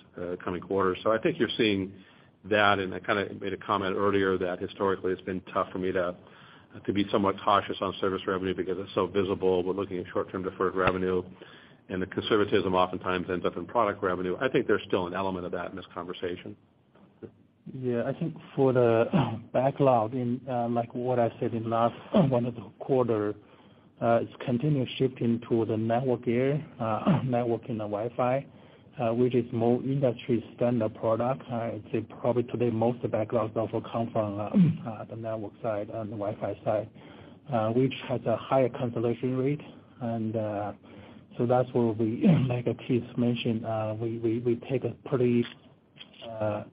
S4: coming quarters. I think you're seeing that, and I kinda made a comment earlier that historically it's been tough for me to be somewhat cautious on service revenue because it's so visible. We're looking at short-term deferred revenue, and the conservatism oftentimes ends up in product revenue. I think there's still an element of that in this conversation.
S3: Yeah. I think for the backlog in, like what I said in last 1 of the quarter, it's continuous shifting to the network gear, network and the Wi-Fi, which is more industry standard product. I'd say probably today most of the backlogs also come from, the network side and the Wi-Fi side, which has a higher consolation rate. That's where we, like as Keith mentioned, we take a pretty, well,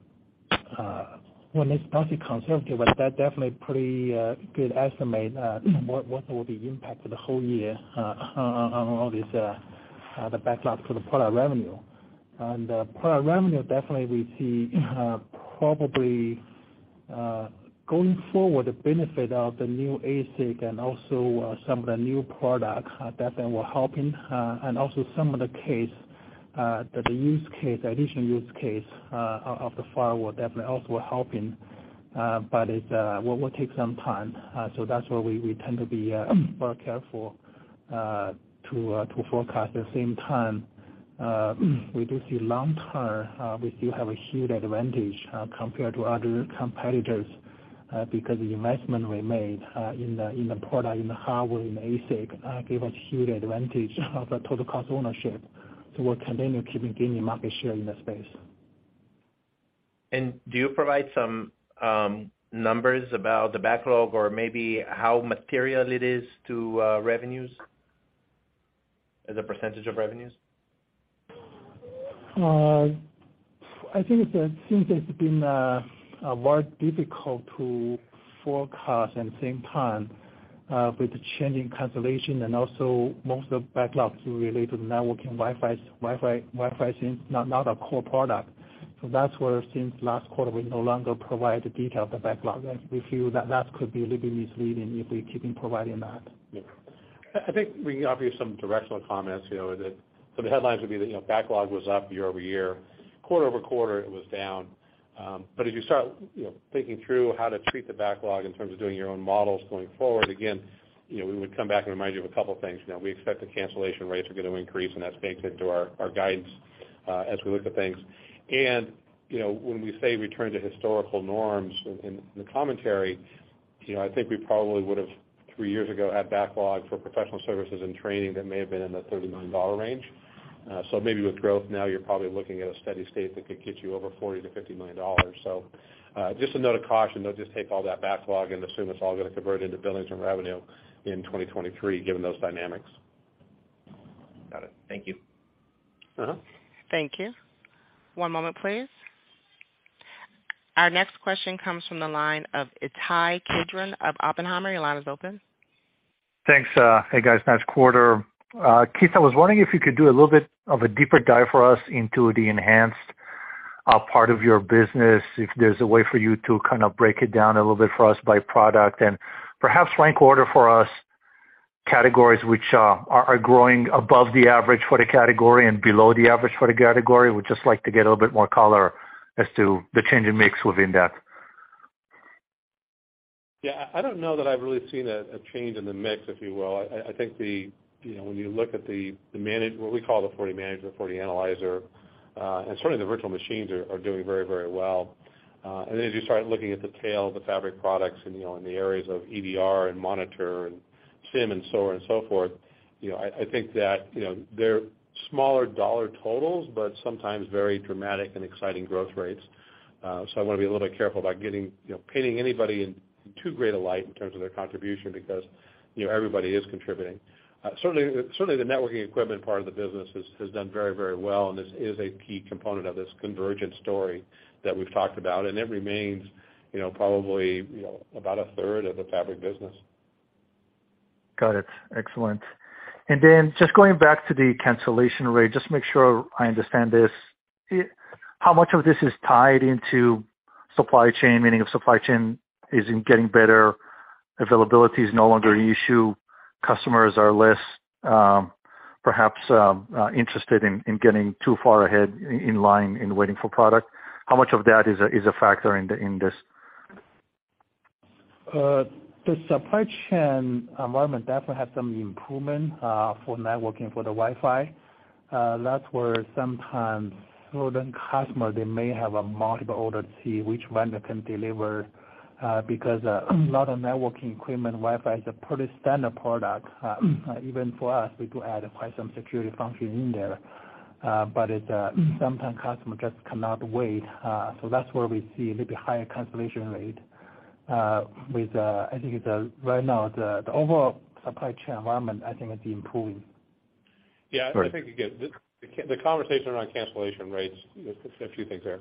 S3: it's not conservative, but that definitely pretty good estimate, what will be impact for the whole year, on all this, the backlog for the product revenue. Product revenue, definitely we see, probably, going forward, the benefit of the new ASIC and also, some of the new products, that they were helping, and also some of the case, the use case, the additional use case, of the firewall definitely also helping. It's, Will take some time. That's where we tend to be, more careful, to forecast. At the same time, we do see long term, we do have a huge advantage, compared to other competitors, because the investment we made, in the, in the product, in the hardware, in ASIC, give us huge advantage of the total cost ownership. We're continuing keeping gaining market share in the space.
S12: Do you provide some numbers about the backlog or maybe how material it is to revenues as a percentage of revenues?
S3: I think it's since it's been more difficult to forecast at the same time, with the changing consolidation and also most of the backlogs related to networking Wi-Fis, Wi-Fi is not our core product. That's where since last quarter, we no longer provide the detail of the backlog. We feel that that could be a little bit misleading if we keep on providing that.
S4: I think we can offer you some directional comments. You know, so the headlines would be that, you know, backlog was up year-over-year. Quarter-over-quarter, it was down. As you start, you know, thinking through how to treat the backlog in terms of doing your own models going forward, again, you know, we would come back and remind you of a couple things. You know, we expect the cancellation rates are gonna increase, and that's baked into our guidance, as we look at things. You know, when we say return to historical norms in the commentary, you know, I think we probably would've, three years ago, had backlog for professional services and training that may have been in the $39 range. maybe with growth now you're probably looking at a steady state that could get you over $40 million-$50 million. just a note of caution, don't just take all that backlog and assume it's all gonna convert into billings and revenue in 2023 given those dynamics.
S12: Got it. Thank you.
S4: Uh-huh.
S1: Thank you. One moment please. Our next question comes from the line of Ittai Kidron of Oppenheimer. Your line is open.
S13: Thanks. Hey, guys. Nice quarter. Keith, I was wondering if you could do a little bit of a deeper dive for us into the enhanced part of your business, if there's a way for you to kind of break it down a little bit for us by product. And perhaps rank order for us categories which are growing above the average for the category and below the average for the category. Would just like to get a little bit more color as to the change in mix within that.
S4: I don't know that I've really seen a change in the mix, if you will. I think the, you know, when you look at the, what we call the FortiManager, FortiAnalyzer, and certainly the virtual machines are doing very, very well. And then as you start looking at the tail, the fabric products and, you know, in the areas of EDR and monitor and SIEM and so on and so forth, you know, I think that, you know, they're smaller dollar totals, but sometimes very dramatic and exciting growth rates. I wanna be a little bit careful about getting, you know, painting anybody in too great a light in terms of their contribution because, you know, everybody is contributing. Certainly the networking equipment part of the business has done very well, and this is a key component of this convergent story that we've talked about. It remains, you know, probably, you know, about a third of the fabric business.
S13: Got it. Excellent. Then just going back to the cancellation rate, just to make sure I understand this, how much of this is tied into supply chain, meaning if supply chain isn't getting better, availability is no longer an issue, customers are less, perhaps, interested in getting too far ahead in line in waiting for product. How much of that is a factor in this?
S3: The supply chain environment definitely had some improvement for networking for the Wi-Fi. That's where sometimes certain customer, they may have a multiple order to see which vendor can deliver because a lot of networking equipment, Wi-Fi is a pretty standard product. Even for us, we do add quite some security function in there. It, sometimes customer just cannot wait, so that's where we see maybe higher cancellation rate. With, I think it's, right now the overall supply chain environment I think is improving.
S13: Got it.
S4: I think, again, the conversation around cancellation rates, a few things there.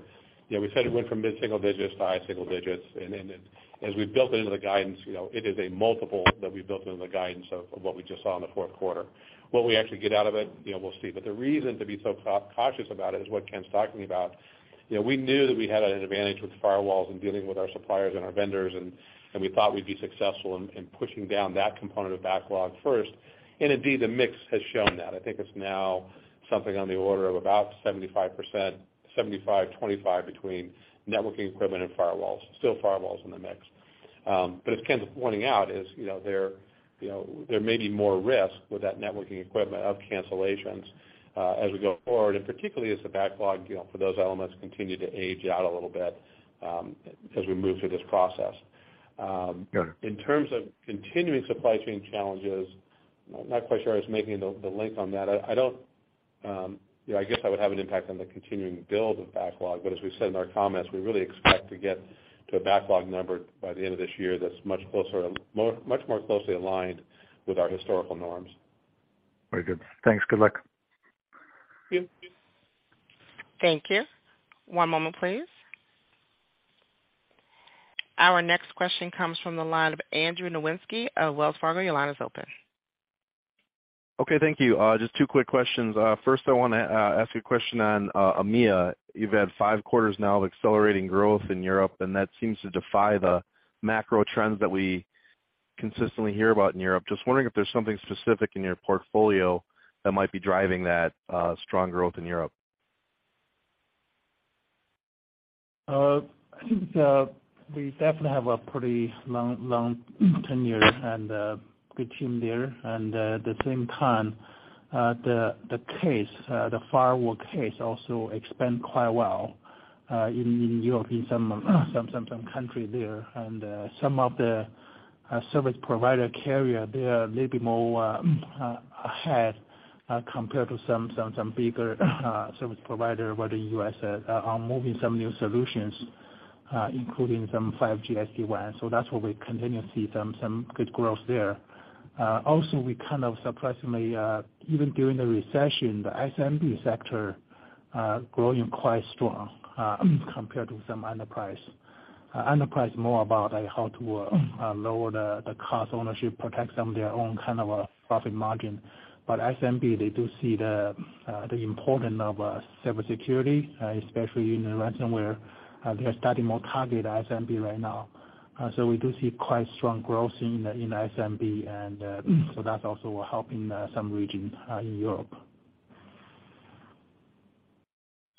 S4: You know, we said it went from mid-single digits to high single digits. As we've built it into the guidance, you know, it is a multiple that we've built into the guidance of what we just saw in the fourth quarter. What we actually get out of it, you know, we'll see. The reason to be so cautious about it is what Ken's talking about. You know, we knew that we had an advantage with firewalls in dealing with our suppliers and our vendors, and we thought we'd be successful in pushing down that component of backlog first. Indeed, the mix has shown that. I think it's now something on the order of about 75%, 75/25 between networking equipment and firewalls. Still firewalls in the mix. As Ken's pointing out is, you know, there, you know, there may be more risk with that networking equipment of cancellations, as we go forward, and particularly as the backlog, you know, for those elements continue to age out a little bit, as we move through this process.
S13: Got it.
S4: In terms of continuing supply chain challenges, I'm not quite sure I was making the link on that. I don't, you know, I guess I would have an impact on the continuing build of backlog. As we said in our comments, we really expect to get to a backlog number by the end of this year that's much more closely aligned with our historical norms.
S13: Very good. Thanks. Good luck.
S3: Thank you.
S1: Thank you. One moment please. Our next question comes from the line of Andrew Nowinski of Wells Fargo. Your line is open.
S14: Okay. Thank you. Just two quick questions. First I wanna ask you a question on EMEA. You've had five quarters now of accelerating growth in Europe. That seems to defy the macro trends that we consistently hear about in Europe. Just wondering if there's something specific in your portfolio that might be driving that strong growth in Europe.
S3: I think we definitely have a pretty long tenure and a good team there. At the same time, the case, the firewall case also expand quite well in Europe, in some country there. Some of the service provider carrier, they are a little bit more ahead compared to some bigger service provider where the U.S. are moving some new solutions, including some 5G SD-WAN. That's where we continue to see some good growth there. Also we kind of surprisingly, even during the recession, the S&P sector growing quite strong compared to some enterprise. Enterprise more about how to lower the cost ownership, protect some of their own kind of a profit margin. SMB, they do see the importance of cybersecurity, especially in the ransomware. They are starting more target SMB right now. We do see quite strong growth in SMB. That's also helping some regions in Europe.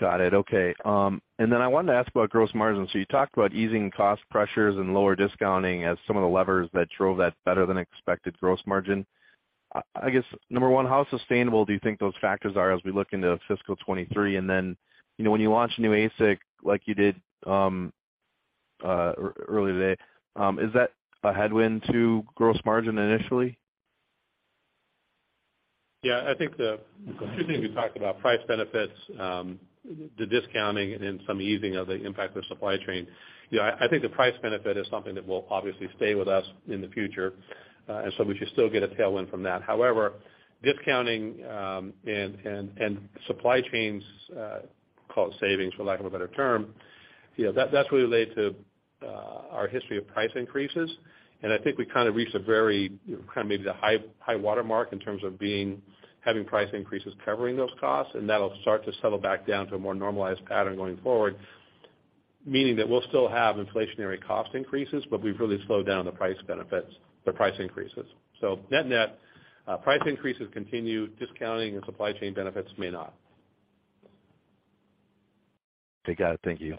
S14: Got it. Okay. I wanted to ask about gross margins. You talked about easing cost pressures and lower discounting as some of the levers that drove that better than expected gross margin. I guess, number one, how sustainable do you think those factors are as we look into fiscal 23? You know, when you launch new ASIC like you did, earlier today, is that a headwind to gross margin initially?
S4: I think the two things we talked about, price benefits, the discounting, and some easing of the impact of supply chain. You know, I think the price benefit is something that will obviously stay with us in the future, and so we should still get a tailwind from that. However, discounting and supply chains, call it savings for lack of a better term, you know, that's really related to our history of price increases. I think we kind of reached a very, you know, maybe the high water mark in terms of being, having price increases covering those costs, and that'll start to settle back down to a more normalized pattern going forward. Meaning that we'll still have inflationary cost increases, but we've really slowed down the price benefits, price increases. Net-net, price increases continue discounting and supply chain benefits may not.
S14: Okay, got it. Thank you.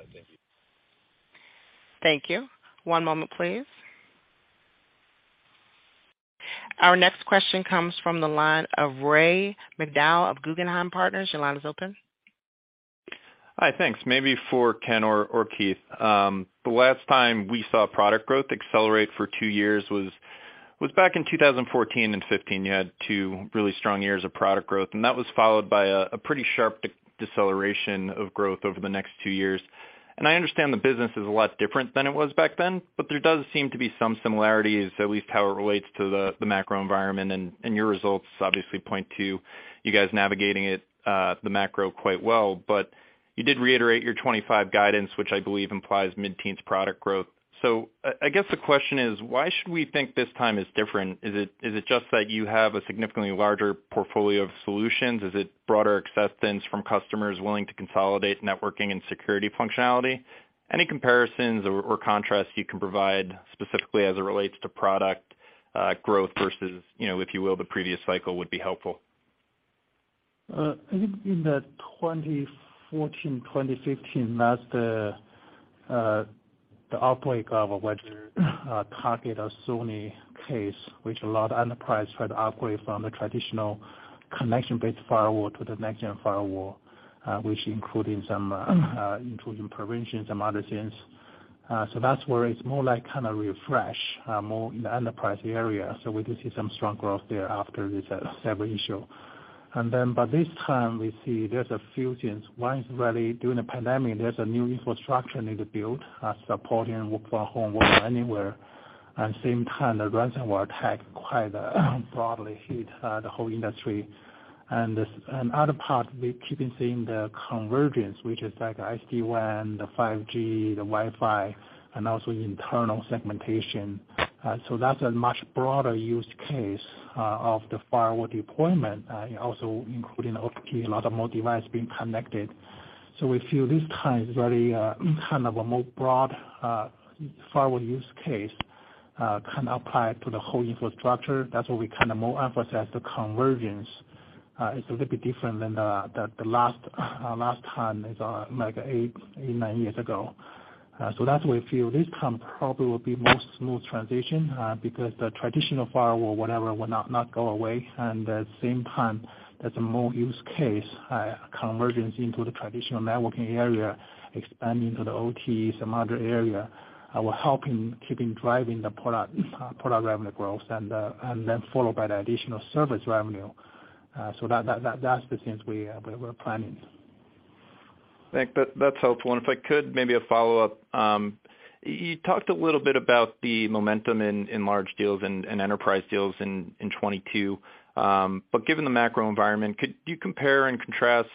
S1: Thank you. One moment, please. Our next question comes from the line of Ray McDonough of Guggenheim Partners. Your line is open.
S15: Hi, thanks. Maybe for Ken or Keith. The last time we saw product growth accelerate for two years was back in 2014 and 2015. You had two really strong years of product growth, and that was followed by a pretty sharp deceleration of growth over the next two years. I understand the business is a lot different than it was back then, but there does seem to be some similarities, at least how it relates to the macro environment. Your results obviously point to you guys navigating the macro quite well. You did reiterate your 2025 guidance, which I believe implies mid-teens product growth. I guess the question is, why should we think this time is different? Is it just that you have a significantly larger portfolio of solutions? Is it broader acceptance from customers willing to consolidate networking and security functionality? Any comparisons or contrasts you can provide specifically as it relates to product growth versus, you know, if you will, the previous cycle would be helpful.
S3: I think in the 2014, 2015, that's the outbreak of what, Target or Sony case, which a lot of enterprise tried to upgrade from the traditional connection-based firewall to the next-gen firewall, which including some, including prevention, some other things. That's where it's more like kind of refresh, more in the enterprise area. We do see some strong growth there after this cyber issue. This time we see there's a few things. One is really during the pandemic, there's a new infrastructure need to build, supporting work from home, work anywhere. At same time, the ransomware attack quite broadly hit the whole industry. This, another part, we keep seeing the convergence, which is like SD-WAN, the 5G, the Wi-Fi and also internal segmentation. That's a much broader use case of the firewall deployment, also including OT, a lot of more device being connected. We feel this time is very kind of a more broad firewall use case can apply to the whole infrastructure. That's why we kind of more emphasize the convergence. It's a little bit different than the last time is like eight, nine years ago. That's why we feel this time probably will be more smooth transition because the traditional firewall, whatever, will not go away. At the same time, there's a more use case convergence into the traditional networking area, expanding to the OT, some other area, will help in keeping driving the product revenue growth and then followed by the additional service revenue. That's the things we're planning.
S15: I think that's helpful. If I could maybe a follow-up. You talked a little bit about the momentum in large deals and enterprise deals in 22. Given the macro environment, could you compare and contrast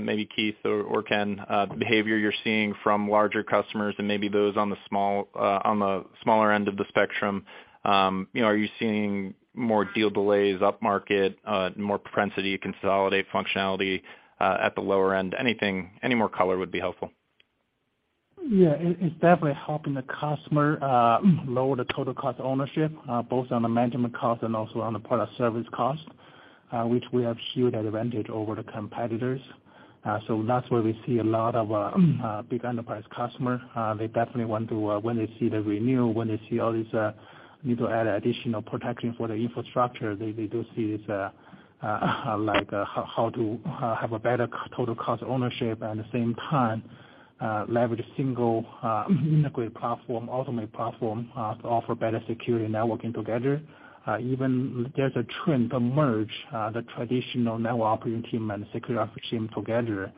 S15: maybe Keith or Ken the behavior you're seeing from larger customers and maybe those on the small on the smaller end of the spectrum? You know, are you seeing more deal delays upmarket, more propensity to consolidate functionality at the lower end? Anything, any more color would be helpful.
S3: Yeah. It's definitely helping the customer, lower the total cost ownership, both on the management cost and also on the product service cost, which we have huge advantage over the competitors. That's where we see a lot of, big enterprise customer. They definitely want to, when they see the renewal, when they see all this, need to add additional protection for the infrastructure, they do see this, like how to, have a better total cost ownership at the same time, leverage single, integrated platform, automate platform, to offer better security networking together. Even there's a trend to merge, the traditional network operating team and security operating team together.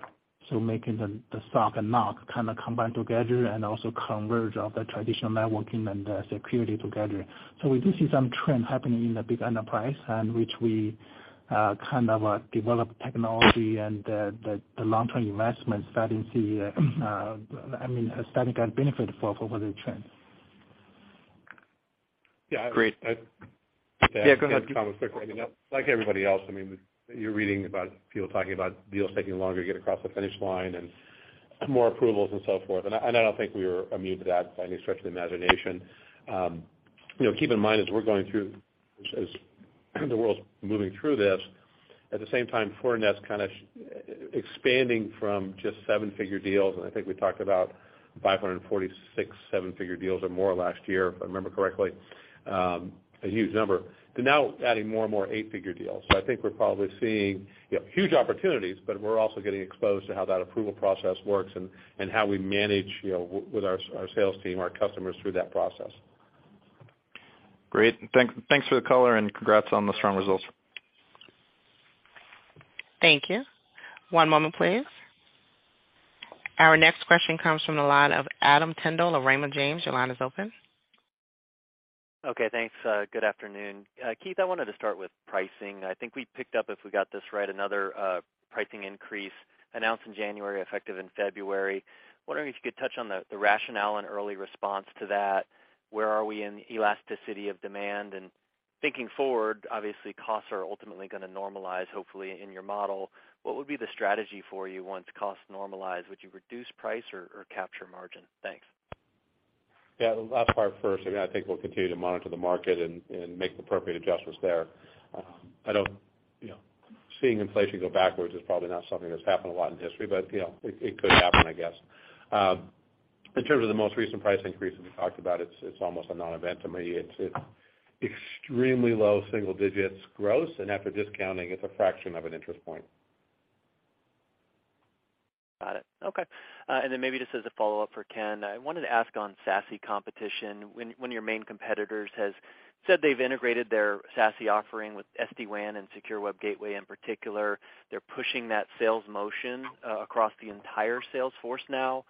S3: Making the SOC and NOC kind of combine together and also converge of the traditional networking and security together. We do see some trend happening in the big enterprise and which we, kind of, develop technology and the long-term investment starting to, I mean, starting to benefit for the trend.
S4: Yeah.
S15: Great. Yeah, go ahead.
S4: quick. Like everybody else, I mean, you're reading about people talking about deals taking longer to get across the finish line and more approvals and so forth. I don't think we are immune to that by any stretch of the imagination. you know, keep in mind, as we're going through, as the world's moving through this, at the same time, Fortinet's kinda expanding from just seven-figure deals, and I think we talked about 546 seven-figure deals or more last year, if I remember correctly, a huge number. To now adding more and more eight-figure deals. I think we're probably seeing, you know, huge opportunities, but we're also getting exposed to how that approval process works and how we manage, you know, with our sales team, our customers through that process.
S15: Great. Thanks for the color, and congrats on the strong results.
S1: Thank you. One moment, please. Our next question comes from the line of Adam Tindle of Raymond James. Your line is open.
S16: Okay, thanks. Good afternoon. Keith, I wanted to start with pricing. I think we picked up, if we got this right, another, pricing increase announced in January, effective in February. Wondering if you could touch on the rationale and early response to that. Where are we in elasticity of demand? Thinking forward, obviously, costs are ultimately gonna normalize, hopefully in your model. What would be the strategy for you once costs normalize? Would you reduce price or capture margin? Thanks.
S4: Yeah, the last part first. I mean, I think we'll continue to monitor the market and make the appropriate adjustments there. I don't, you know, seeing inflation go backwards is probably not something that's happened a lot in history, but you know, it could happen, I guess. In terms of the most recent price increase that we talked about, it's almost a non-event to me. It's extremely low single digits gross, and after discounting, it's a fraction of an interest point.
S16: Got it. Okay. Maybe just as a follow-up for Ken, I wanted to ask on SASE competition. When your main competitors has said they've integrated their SASE offering with SD-WAN and secure web gateway in particular, they're pushing that sales motion across the entire sales force now.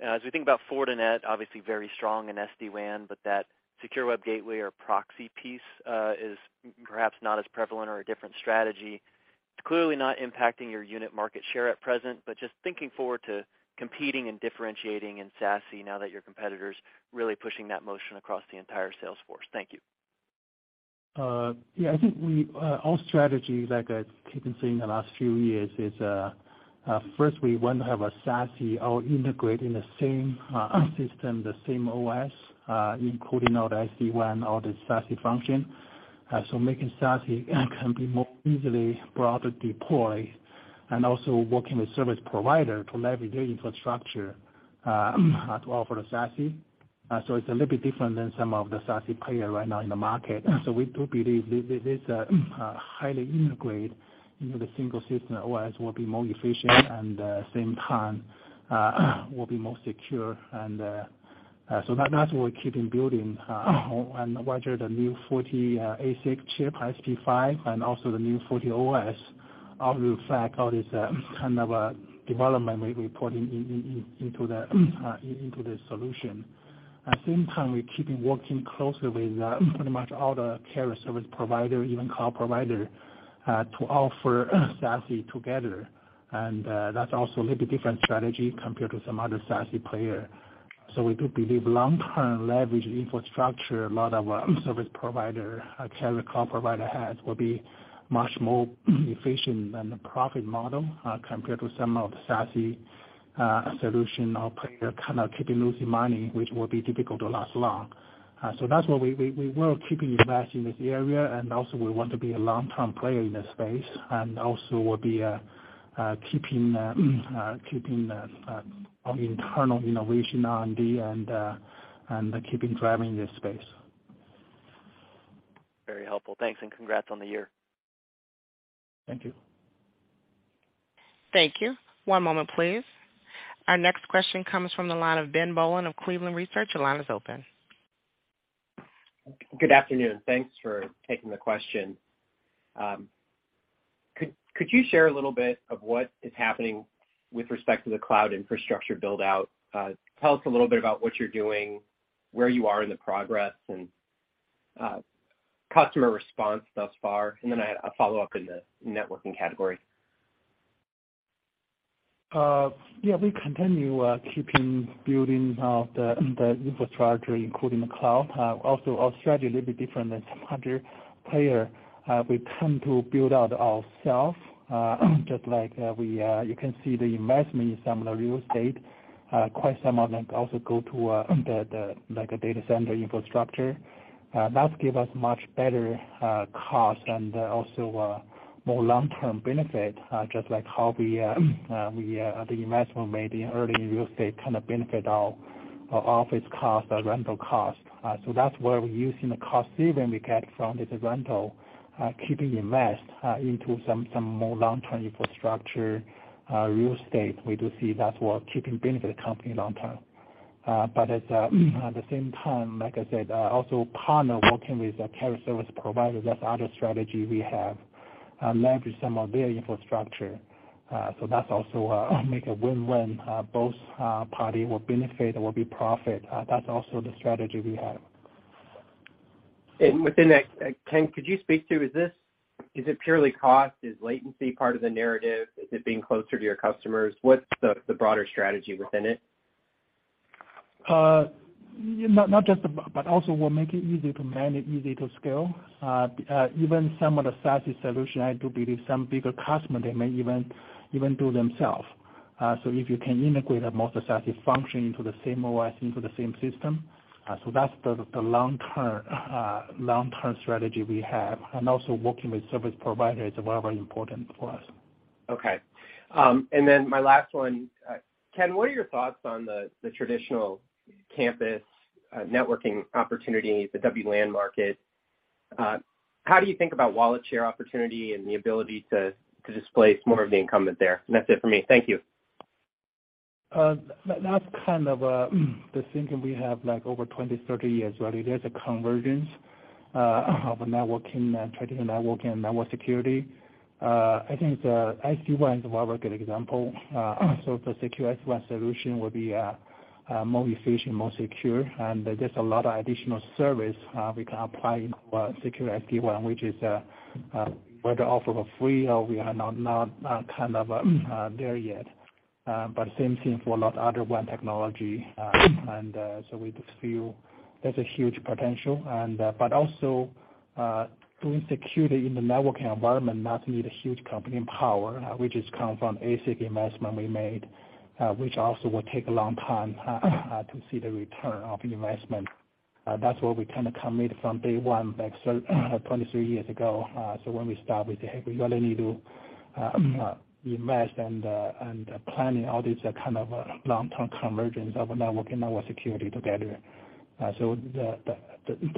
S16: As we think about Fortinet, obviously very strong in SD-WAN, but that secure web gateway or proxy piece, is perhaps not as prevalent or a different strategy. It's clearly not impacting your unit market share at present, but just thinking forward to competing and differentiating in SASE now that your competitor's really pushing that motion across the entire sales force. Thank you.
S3: Yeah. I think we, our strategy, like, you can see in the last few years is, first we want to have a SASE all integrate in the same system, the same OS, including all the SD-WAN, all the SASE function. Making SASE can be more easily broader deploy, and also working with service provider to leverage their infrastructure to offer the SASE. It's a little bit different than some of the SASE player right now in the market. We do believe this is highly integrate into the single system, otherwise will be more efficient and same time will be more secure. That's what we're keeping building. Wider the new FortiASIC chip, FortiSP5, and also the new FortiOS all reflect all this kind of a development we put into the solution. At the same time, we're keeping working closely with pretty much all the carrier service provider, even cloud provider, to offer SASE together. That's also a little bit different strategy compared to some other SASE player. We do believe long-term leverage infrastructure, a lot of service provider, carrier cloud provider has, will be much more efficient than the profit model compared to some of the SASE solution or player kinda keeping losing money, which will be difficult to last long. So that's why we will keep investing in this area, and also we want to be a long-term player in this space. Also, we'll be keeping our internal innovation R&D and keeping driving this space.
S16: Very helpful. Thanks, and congrats on the year.
S3: Thank you.
S1: Thank you. One moment please. Our next question comes from the line of Ben Bollin of Cleveland Research. Your line is open.
S17: Good afternoon. Thanks for taking the question. Could you share a little bit of what is happening with respect to the cloud infrastructure build-out? Tell us a little bit about what you're doing, where you are in the progress, and customer response thus far. Then I follow up in the networking category.
S3: Yeah, we continue keeping building out the infrastructure, including the cloud. Our strategy a little bit different than some other player. We tend to build out ourself, just like we, you can see the investment in some of the real estate. Quite some of them also go to the, like a data center infrastructure. That give us much better cost and also more long-term benefit, just like how we, the investment made in early real estate kind of benefit our office cost, our rental cost. That's where we're using the cost saving we get from this rental, keeping invest into some more long-term infrastructure, real estate. We do see that will keeping benefit the company long term. At the same time, like I said, also partner working with the carrier service provider, that's other strategy we have. Leverage some of their infrastructure. That's also make a win-win. Both party will benefit and will be profit. That's also the strategy we have.
S17: Within that, Ken, could you speak to, Is it purely cost? Is latency part of the narrative? Is it being closer to your customers? What's the broader strategy within it?
S3: Not just but also will make it easy to manage, easy to scale. Even some of the SaaS solution, I do believe some bigger customer, they may even do themselves. If you can integrate a multi-session function into the same OS, into the same system, so that's the long-term strategy we have, and also working with service providers is very, very important for us.
S17: Okay. My last one. Ken, what are your thoughts on the traditional campus, networking opportunity, the WLAN market? How do you think about wallet share opportunity and the ability to displace more of the incumbent there? That's it for me. Thank you.
S3: That's kind of, the thinking we have, like, over 20, 30 years really. There's a convergence of networking and traditional networking and network security. I think the SD-WAN is a very good example. For secure SD-WAN solution will be more efficient, more secure, and there's a lot of additional service we can apply in our secure SD-WAN, which is whether offer for free or we are not kind of there yet. Same thing for a lot of other WAN technology. We just feel there's a huge potential and also doing security in the networking environment does need a huge company and power, which is come from ASIC investment we made, which also will take a long time to see the return of investment. That's where we kinda committed from day one, back 23 years ago. When we start, we say, "Hey, we really need to invest and planning all these kind of long-term convergence of network and network security together." The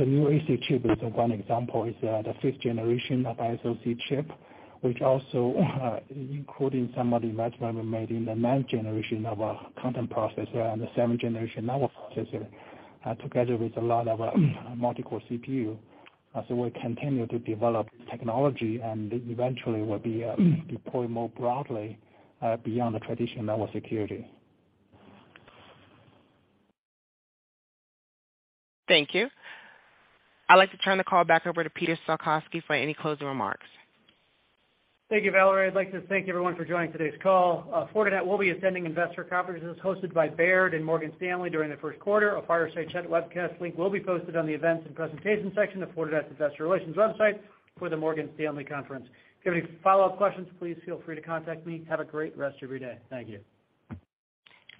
S3: new ASIC chip is one example, is the fifth generation of SoC chip, which also including some of the investment we made in the ninth generation of our content processor and the seventh generation network processor, together with a lot of multi-core CPU. We're continue to develop technology and eventually will be deploy more broadly beyond the traditional network security.
S1: Thank you. I'd like to turn the call back over to Peter Salkowski for any closing remarks.
S2: Thank you, Valerie. I'd like to thank everyone for joining today's call. Fortinet will be attending investor conferences hosted by Baird and Morgan Stanley during the first quarter. A fireside chat webcast link will be posted on the events and presentations section of Fortinet's Investor Relations website for the Morgan Stanley conference. If you have any follow-up questions, please feel free to contact me. Have a great rest of your day. Thank you.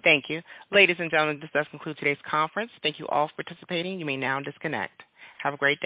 S1: Thank you. Ladies and gentlemen, this does conclude today's conference. Thank you all for participating. You may now disconnect. Have a great day.